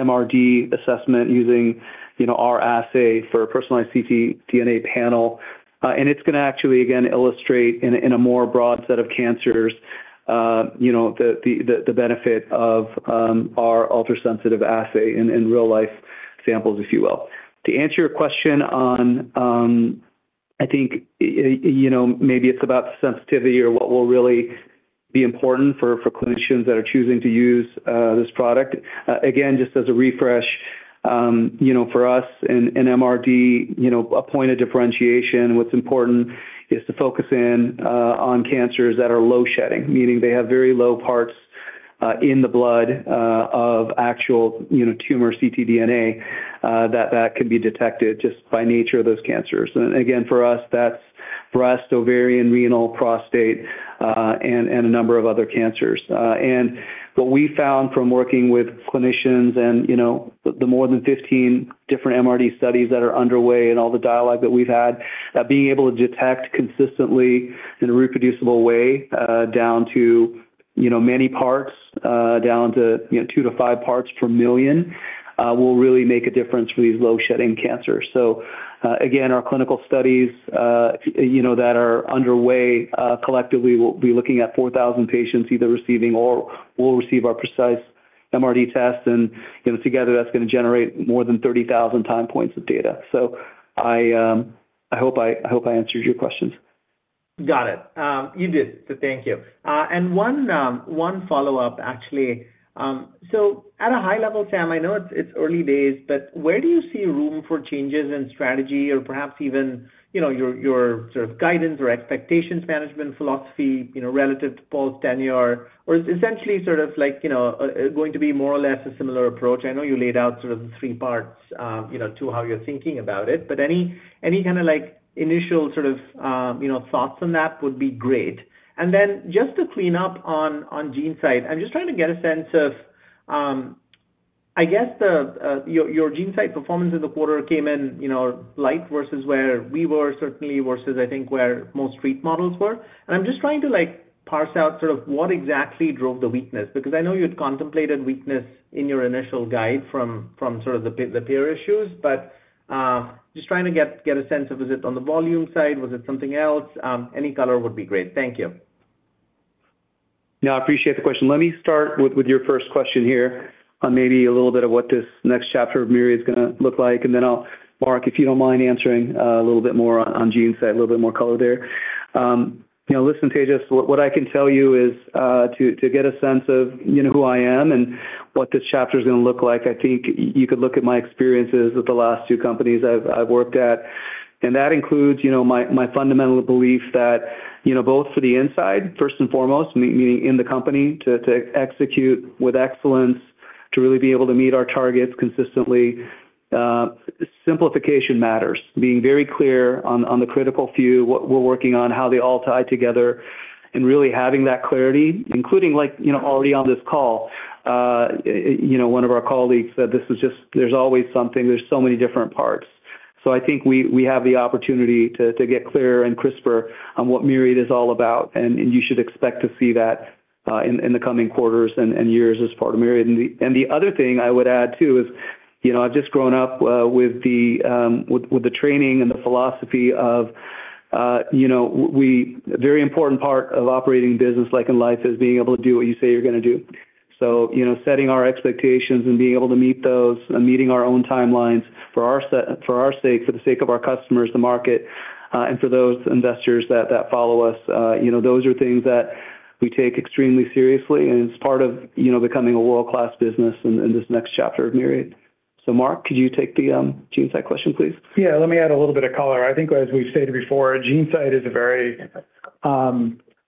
MRD assessment using our assay for a personalized ctDNA panel. It is going to actually, again, illustrate in a more broad set of cancers the benefit of our ultrasensitive assay in real-life samples, if you will. To answer your question on, I think maybe it's about sensitivity or what will really be important for clinicians that are choosing to use this product. Again, just as a refresh, for us in MRD, a point of differentiation, what's important is to focus in on cancers that are low shedding, meaning they have very low parts in the blood of actual tumor ctDNA that can be detected just by nature of those cancers. For us, that's breast, ovarian, renal, prostate, and a number of other cancers. What we found from working with clinicians and the more than 15 different MRD studies that are underway and all the dialogue that we've had, is that being able to detect consistently in a reproducible way down to many parts, down to two to five parts per million, will really make a difference for these low shedding cancers. Our clinical studies that are underway collectively will be looking at 4,000 patients either receiving or will receive our Precise MRD tests. Together, that's going to generate more than 30,000 time points of data. I hope I answered your questions. Got it. You did. Thank you. One follow-up, actually. At a high level, Sam, I know it's early days, but where do you see room for changes in strategy or perhaps even your sort of guidance or expectations management philosophy relative to Paul's tenure? Is it essentially sort of going to be more or less a similar approach? I know you laid out sort of the three parts to how you're thinking about it. Any kind of initial sort of thoughts on that would be great. Just to clean up on GeneSight, I'm just trying to get a sense of, I guess, your GeneSight performance in the quarter came in light versus where we were, certainly versus, I think, where most street models were. I'm just trying to parse out sort of what exactly drove the weakness because I know you had contemplated weakness in your initial guide from sort of the payer issues. Just trying to get a sense of, was it on the volume side? Was it something else? Any color would be great. Thank you. Yeah, I appreciate the question. Let me start with your first question here on maybe a little bit of what this next chapter of Myriad is going to look like. Then, Mark, if you do not mind answering a little bit more on GeneSight, a little bit more color there. Listen, Tejas, what I can tell you is to get a sense of who I am and what this chapter is going to look like, I think you could look at my experiences with the last two companies I have worked at. That includes my fundamental belief that both for the inside, first and foremost, meaning in the company to execute with excellence, to really be able to meet our targets consistently, simplification matters, being very clear on the critical few, what we're working on, how they all tie together, and really having that clarity, including already on this call, one of our colleagues said this was just, there's always something. There are so many different parts. I think we have the opportunity to get clearer and crisper on what Myriad is all about. You should expect to see that in the coming quarters and years as part of Myriad. The other thing I would add too is I've just grown up with the training and the philosophy of a very important part of operating business, like in life, is being able to do what you say you're going to do. Setting our expectations and being able to meet those and meeting our own timelines for our sake, for the sake of our customers, the market, and for those investors that follow us, those are things that we take extremely seriously. It is part of becoming a world-class business in this next chapter of Myriad. Mark, could you take the GeneSight question, please? Yeah. Let me add a little bit of color. I think as we've stated before, GeneSight is a very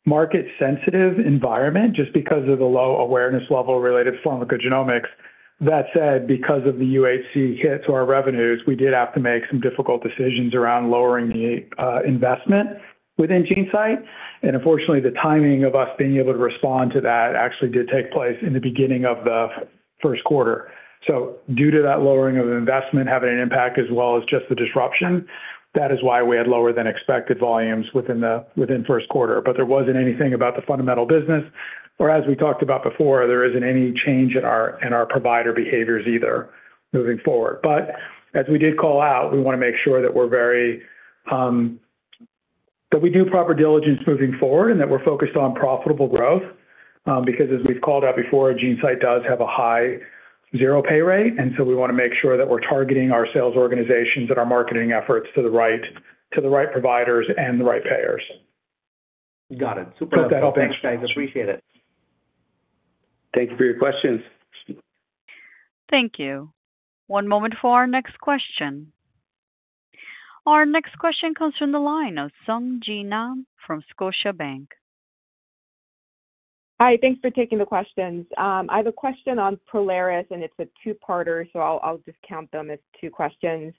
market-sensitive environment just because of the low awareness level related to pharmacogenomics. That said, because of the UHC hit to our revenues, we did have to make some difficult decisions around lowering the investment within GeneSight. Unfortunately, the timing of us being able to respond to that actually did take place in the beginning of the first quarter. Due to that lowering of investment having an impact as well as just the disruption, that is why we had lower than expected volumes within first quarter. There was not anything about the fundamental business. As we talked about before, there is not any change in our provider behaviors either moving forward. As we did call out, we want to make sure that we're very, that we do proper diligence moving forward and that we're focused on profitable growth because as we've called out before, GeneSight does have a high zero pay rate. We want to make sure that we're targeting our sales organizations and our marketing efforts to the right providers and the right payers. Got it. Super helpful. Thanks, guys. Appreciate it. Thank you for your questions. Thank you. One moment for our next question. Our next question comes from the line of Sung Ji Nam from Scotiabank. Hi. Thanks for taking the questions. I have a question on Prolaris and it's a two-parter, so I'll just count them as two questions.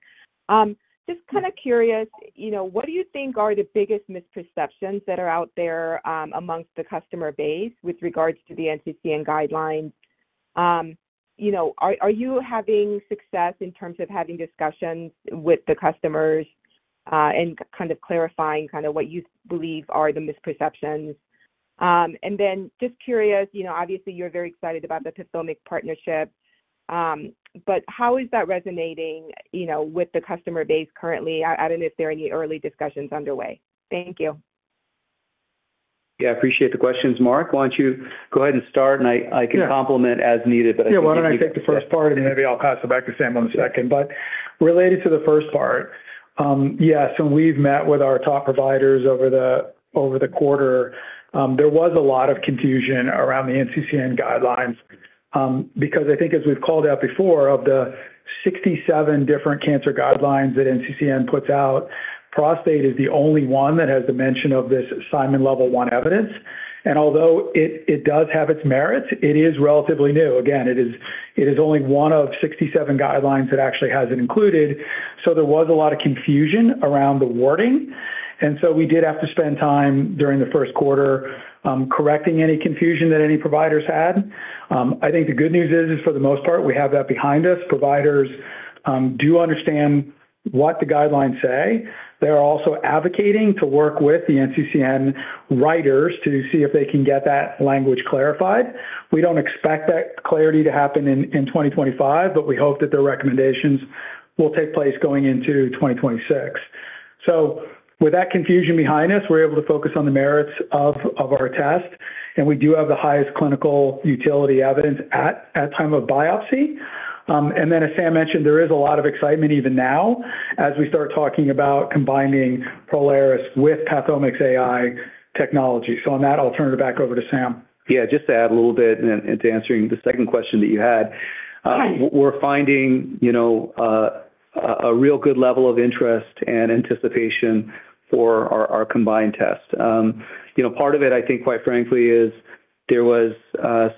Just kind of curious, what do you think are the biggest misperceptions that are out there amongst the customer base with regards to the NCCN guidelines? Are you having success in terms of having discussions with the customers and kind of clarifying kind of what you believe are the misperceptions? Just curious, obviously, you're very excited about the PATHOMIQ partnership, but how is that resonating with the customer base currently? I don't know if there are any early discussions underway. Thank you. Yeah. I appreciate the questions, Mark. Why don't you go ahead and start? I can complement as needed, but I think. Yeah. Why don't I take the first part and maybe I'll pass it back to Sam in a second. Related to the first part, yes, when we've met with our top providers over the quarter, there was a lot of confusion around the NCCN guidelines because I think as we've called out before, of the 67 different cancer guidelines that NCCN puts out, prostate is the only one that has the mention of this Simon Level 1 evidence. Although it does have its merits, it is relatively new. Again, it is only one of 67 guidelines that actually has it included. There was a lot of confusion around the wording. We did have to spend time during the first quarter correcting any confusion that any providers had. I think the good news is, for the most part, we have that behind us. Providers do understand what the guidelines say. They are also advocating to work with the NCCN writers to see if they can get that language clarified. We don't expect that clarity to happen in 2025, but we hope that their recommendations will take place going into 2026. With that confusion behind us, we're able to focus on the merits of our test. We do have the highest clinical utility evidence at time of biopsy. As Sam mentioned, there is a lot of excitement even now as we start talking about combining Prolaris with PATHOMIQ AI technology. On that, I'll turn it back over to Sam. Yeah. Just to add a little bit into answering the second question that you had, we're finding a real good level of interest and anticipation for our combined test. Part of it, I think, quite frankly, is there was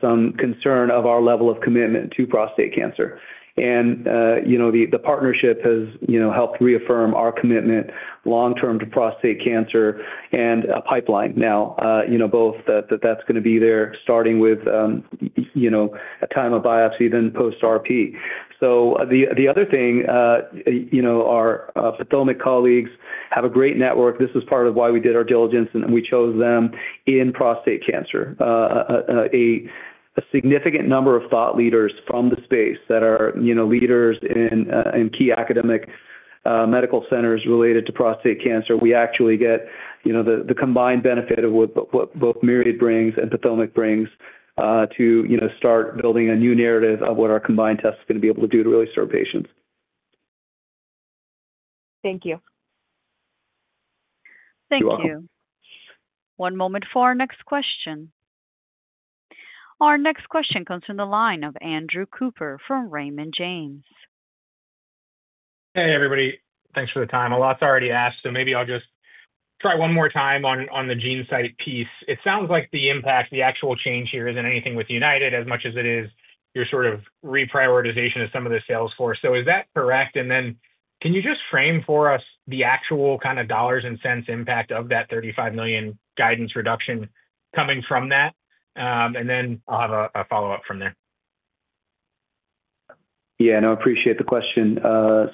some concern of our level of commitment to prostate cancer. The partnership has helped reaffirm our commitment long-term to prostate cancer and a pipeline. Now, both that that's going to be there starting with a time of biopsy, then post-RP. The other thing, our PATHOMIQ colleagues have a great network. This is part of why we did our diligence and we chose them in prostate cancer. A significant number of thought leaders from the space that are leaders in key academic medical centers related to prostate cancer. We actually get the combined benefit of what both Myri brings and PATHOMIQ brings to start building a new narrative of what our combined test is going to be able to do to really serve patients. Thank you. Thank you. One moment for our next question. Our next question comes from the line of Andrew Cooper from Raymond James. Hey, everybody. Thanks for the time. A lot's already asked, so maybe I'll just try one more time on the GeneSight piece. It sounds like the impact, the actual change here isn't anything with United as much as it is your sort of reprioritization of some of the sales force. Is that correct? Can you just frame for us the actual kind of dollars and cents impact of that $35 million guidance reduction coming from that? I'll have a follow-up from there. Yeah. I appreciate the question.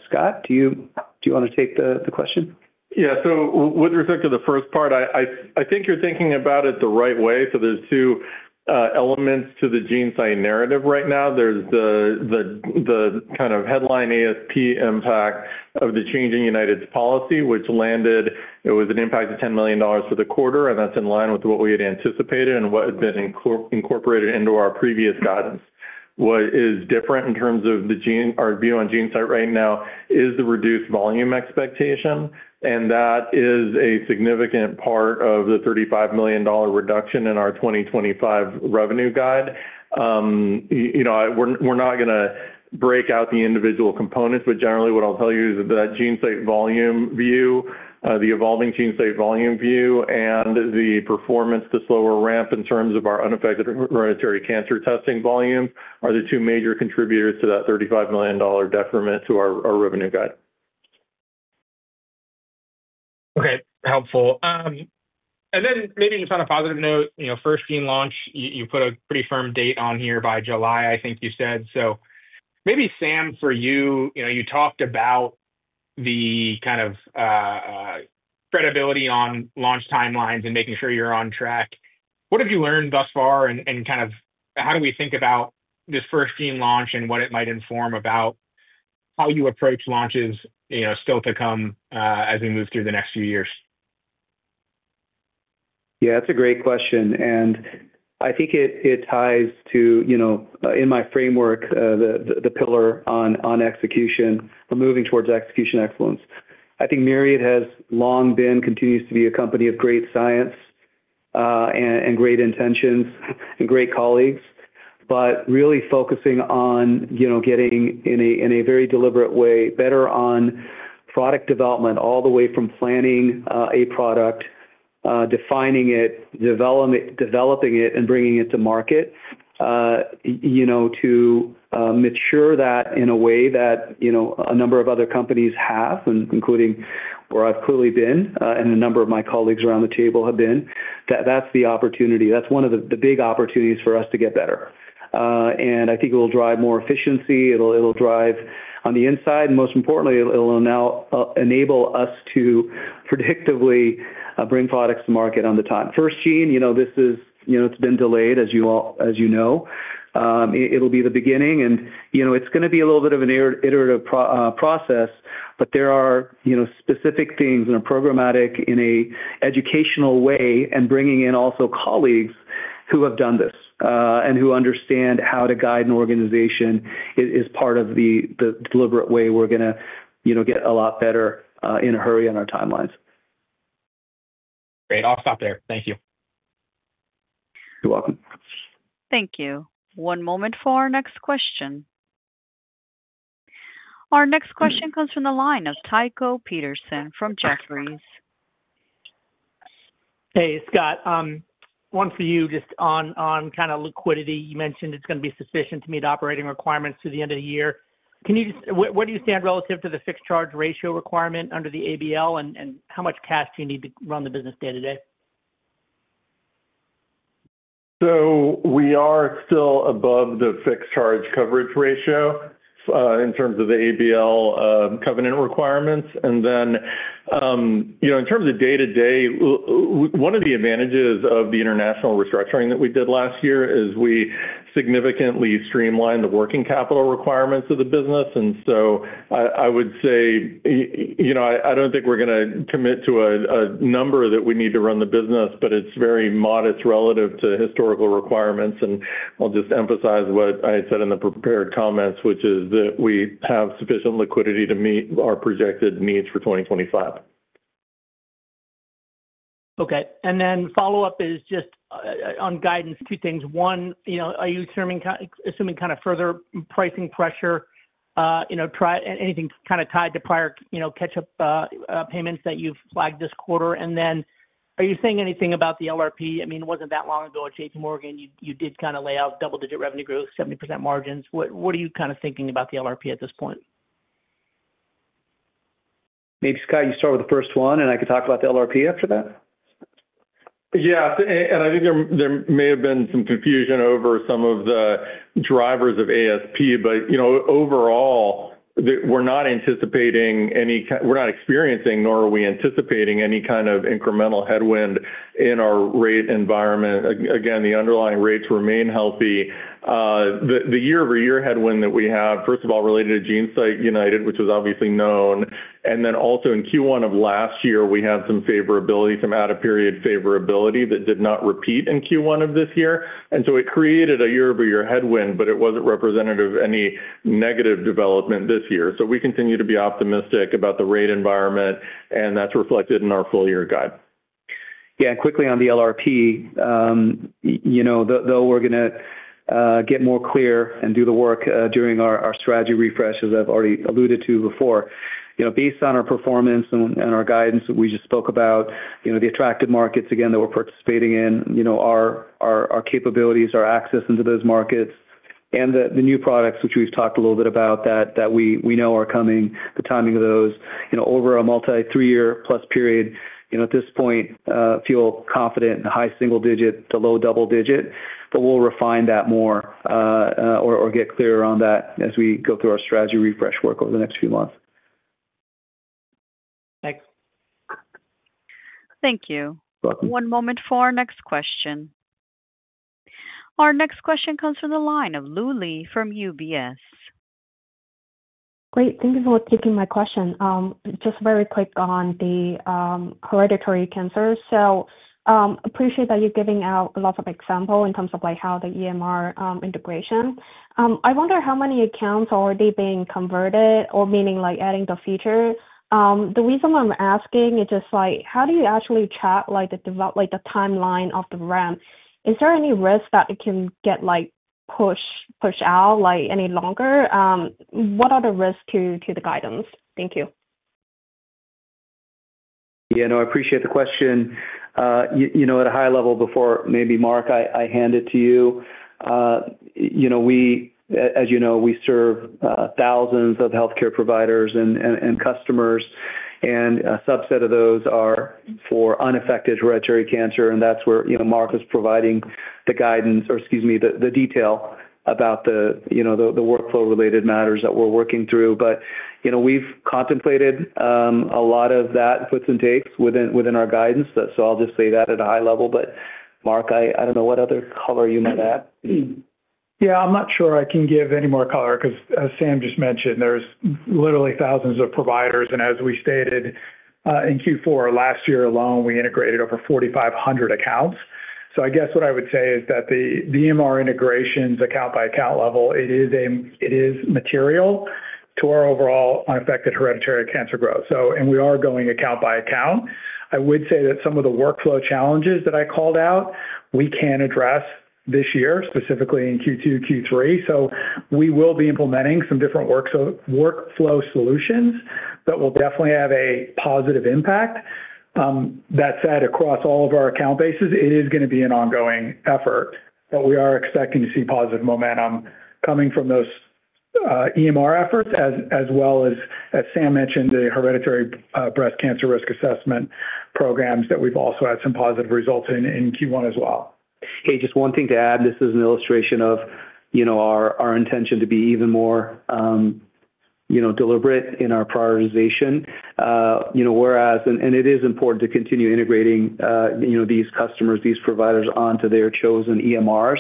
Scott, do you want to take the question? Yeah. With respect to the first part, I think you're thinking about it the right way. There's two elements to the GeneSight narrative right now. There's the kind of headline ASP impact of the change in United's policy, which landed, it was an impact of $10 million for the quarter. That's in line with what we had anticipated and what had been incorporated into our previous guidance. What is different in terms of our view on GeneSight right now is the reduced volume expectation. That is a significant part of the $35 million reduction in our 2025 revenue guide. We're not going to break out the individual components, but generally, what I'll tell you is that that GeneSight volume view, the evolving GeneSight volume view, and the performance to slower ramp in terms of our unaffected hereditary cancer testing volume are the two major contributors to that $35 million deferment to our revenue guide. Okay. Helpful. And then maybe just on a positive note, FirstGene launch, you put a pretty firm date on here by July, I think you said. Maybe, Sam, for you, you talked about the kind of credibility on launch timelines and making sure you're on track. What have you learned thus far? And kind of how do we think about this FirstGene launch and what it might inform about how you approach launches still to come as we move through the next few years? Yeah. That's a great question. I think it ties to, in my framework, the pillar on execution, moving towards execution excellence. I think Myriad has long been and continues to be a company of great science and great intentions and great colleagues, but really focusing on getting, in a very deliberate way, better on product development all the way from planning a product, defining it, developing it, and bringing it to market to mature that in a way that a number of other companies have, including where I've clearly been and a number of my colleagues around the table have been. That's the opportunity. That's one of the big opportunities for us to get better. I think it will drive more efficiency. It'll drive on the inside. Most importantly, it'll now enable us to predictably bring products to market on the time. FirstGene, this has been delayed, as you know. It'll be the beginning. It's going to be a little bit of an iterative process, but there are specific things and a programmatic in an educational way and bringing in also colleagues who have done this and who understand how to guide an organization is part of the deliberate way we're going to get a lot better in a hurry on our timelines. Great. I'll stop there. Thank you. You're welcome. Thank you. One moment for our next question. Our next question comes from the line of Tycho Peterson from Jefferies. Hey, Scott. One for you just on kind of liquidity. You mentioned it's going to be sufficient to meet operating requirements to the end of the year. Where do you stand relative to the fixed charge ratio requirement under the ABL, and how much cash do you need to run the business day-to-day? We are still above the fixed charge coverage ratio in terms of the ABL covenant requirements. In terms of day-to-day, one of the advantages of the international restructuring that we did last year is we significantly streamlined the working capital requirements of the business. I would say I don't think we're going to commit to a number that we need to run the business, but it's very modest relative to historical requirements. I'll just emphasize what I said in the prepared comments, which is that we have sufficient liquidity to meet our projected needs for 2025. Okay. And then follow-up is just on guidance, two things. One, are you assuming kind of further pricing pressure? Anything kind of tied to prior catch-up payments that you've flagged this quarter? I mean, are you saying anything about the LRP? I mean, it wasn't that long ago at JPMorgan, you did kind of lay out double-digit revenue growth, 70% margins. What are you kind of thinking about the LRP at this point? Maybe, Scott, you start with the first one, and I could talk about the LRP after that. Yeah. I think there may have been some confusion over some of the drivers of ASP, but overall, we're not anticipating any kind of, we're not experiencing, nor are we anticipating any kind of incremental headwind in our rate environment. Again, the underlying rates remain healthy. The year-over-year headwind that we have, first of all, related to GeneSight United, which was obviously known. Also, in Q1 of last year, we had some favorability, some out-of-period favorability that did not repeat in Q1 of this year. It created a year-over-year headwind, but it was not representative of any negative development this year. We continue to be optimistic about the rate environment, and that's reflected in our full-year guide. Yeah. Quickly on the LRP, though we're going to get more clear and do the work during our strategy refresh, as I've already alluded to before, based on our performance and our guidance that we just spoke about, the attractive markets again that we're participating in, our capabilities, our access into those markets, and the new products, which we've talked a little bit about that we know are coming, the timing of those over a multi-three-year-plus period. At this point, I feel confident in the high single-digit to low double-digit, but we'll refine that more or get clearer on that as we go through our strategy refresh work over the next few months. Thanks. Thank you. One moment for our next question. Our next question comes from the line of Lu Li from UBS. Great. Thank you for taking my question. Just very quick on the hereditary cancer. So appreciate that you're giving out a lot of examples in terms of how the EMR integration. I wonder how many accounts are already being converted, or meaning adding the feature. The reason I'm asking is just how do you actually track the timeline of the ramp? Is there any risk that it can get pushed out any longer? What are the risks to the guidance? Thank you. Yeah. No, I appreciate the question. At a high level, before maybe Mark, I hand it to you. As you know, we serve thousands of healthcare providers and customers. And a subset of those are for unaffected hereditary cancer. That is where Mark is providing the guidance or, excuse me, the detail about the workflow-related matters that we are working through. We have contemplated a lot of that, puts and takes within our guidance. I will just say that at a high level. Mark, I do not know what other color you might add. Yeah. I'm not sure I can give any more color because, as Sam just mentioned, there's literally thousands of providers. As we stated in Q4 last year alone, we integrated over 4,500 accounts. I guess what I would say is that the EMR integrations, account-by-account level, it is material to our overall unaffected hereditary cancer growth. We are going account-by-account. I would say that some of the workflow challenges that I called out, we can address this year, specifically in Q2, Q3. We will be implementing some different workflow solutions that will definitely have a positive impact. That said, across all of our account bases, it is going to be an ongoing effort. We are expecting to see positive momentum coming from those EMR efforts, as well as, as Sam mentioned, the hereditary breast cancer risk assessment programs that we've also had some positive results in Q1 as well. Hey, just one thing to add. This is an illustration of our intention to be even more deliberate in our prioritization. It is important to continue integrating these customers, these providers onto their chosen EMRs.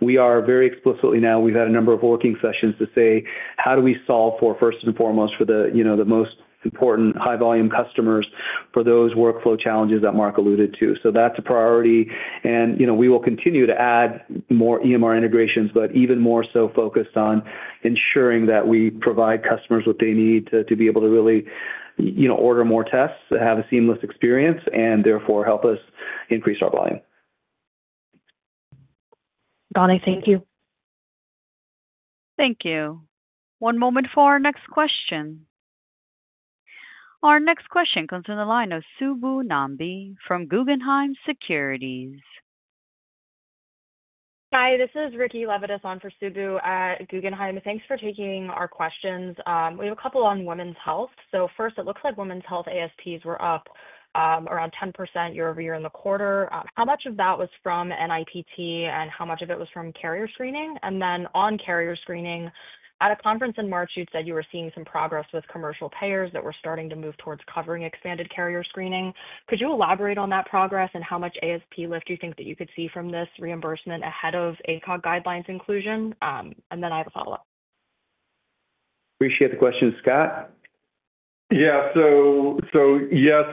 We are very explicitly now, we've had a number of working sessions to say, how do we solve for, first and foremost, for the most important high-volume customers, for those workflow challenges that Mark alluded to? That is a priority. We will continue to add more EMR integrations, but even more so focused on ensuring that we provide customers what they need to be able to really order more tests, have a seamless experience, and therefore help us increase our volume. Got it, thank you. Thank you. One moment for our next question. Our next question comes from the line of Subbu Nambi from Guggenheim Securities. Hi, this is Ricki Levitus on for Subbu at Guggenheim. Thanks for taking our questions. We have a couple on women's health. First, it looks like women's health ASPs were up around 10% year-over-year in the quarter. How much of that was from NIPT, and how much of it was from carrier screening? On carrier screening, at a conference in March, you said you were seeing some progress with commercial payers that were starting to move towards covering expanded carrier screening. Could you elaborate on that progress, and how much ASP lift do you think that you could see from this reimbursement ahead of ACOG guidelines inclusion? I have a follow-up. Appreciate the question, Scott. Yeah. Yes,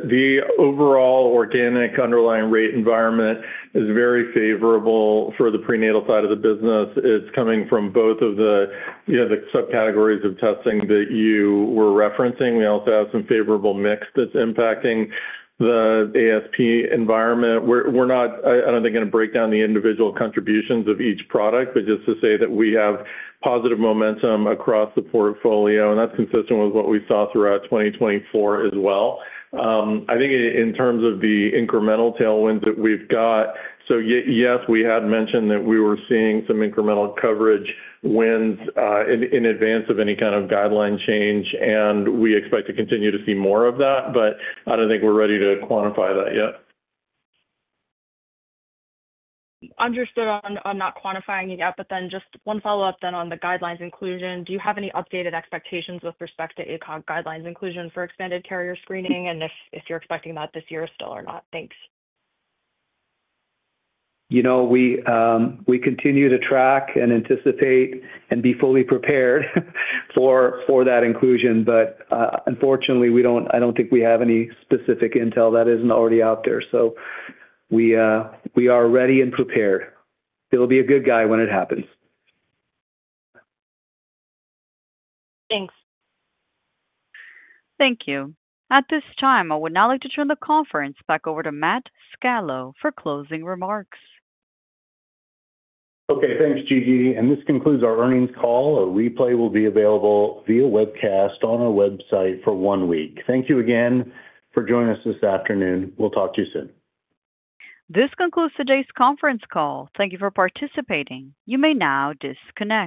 the overall organic underlying rate environment is very favorable for the prenatal side of the business. It's coming from both of the subcategories of testing that you were referencing. We also have some favorable mix that's impacting the ASP environment. I don't think I'm going to break down the individual contributions of each product, but just to say that we have positive momentum across the portfolio, and that's consistent with what we saw throughout 2024 as well. I think in terms of the incremental tailwinds that we've got, yes, we had mentioned that we were seeing some incremental coverage wins in advance of any kind of guideline change. We expect to continue to see more of that, but I don't think we're ready to quantify that yet. Understood on not quantifying it yet, but then just one follow-up then on the guidelines inclusion. Do you have any updated expectations with respect to ACOG guidelines inclusion for expanded carrier screening? Are you expecting that this year still or not? Thanks. We continue to track and anticipate and be fully prepared for that inclusion. Unfortunately, I don't think we have any specific intel that isn't already out there. We are ready and prepared. It'll be a good day when it happens. Thanks. Thank you. At this time, I would now like to turn the conference back over to Matt Scalo for closing remarks. Okay. Thanks, Gigi. This concludes our earnings call. A replay will be available via webcast on our website for one week. Thank you again for joining us this afternoon. We'll talk to you soon. This concludes today's conference call. Thank you for participating. You may now disconnect.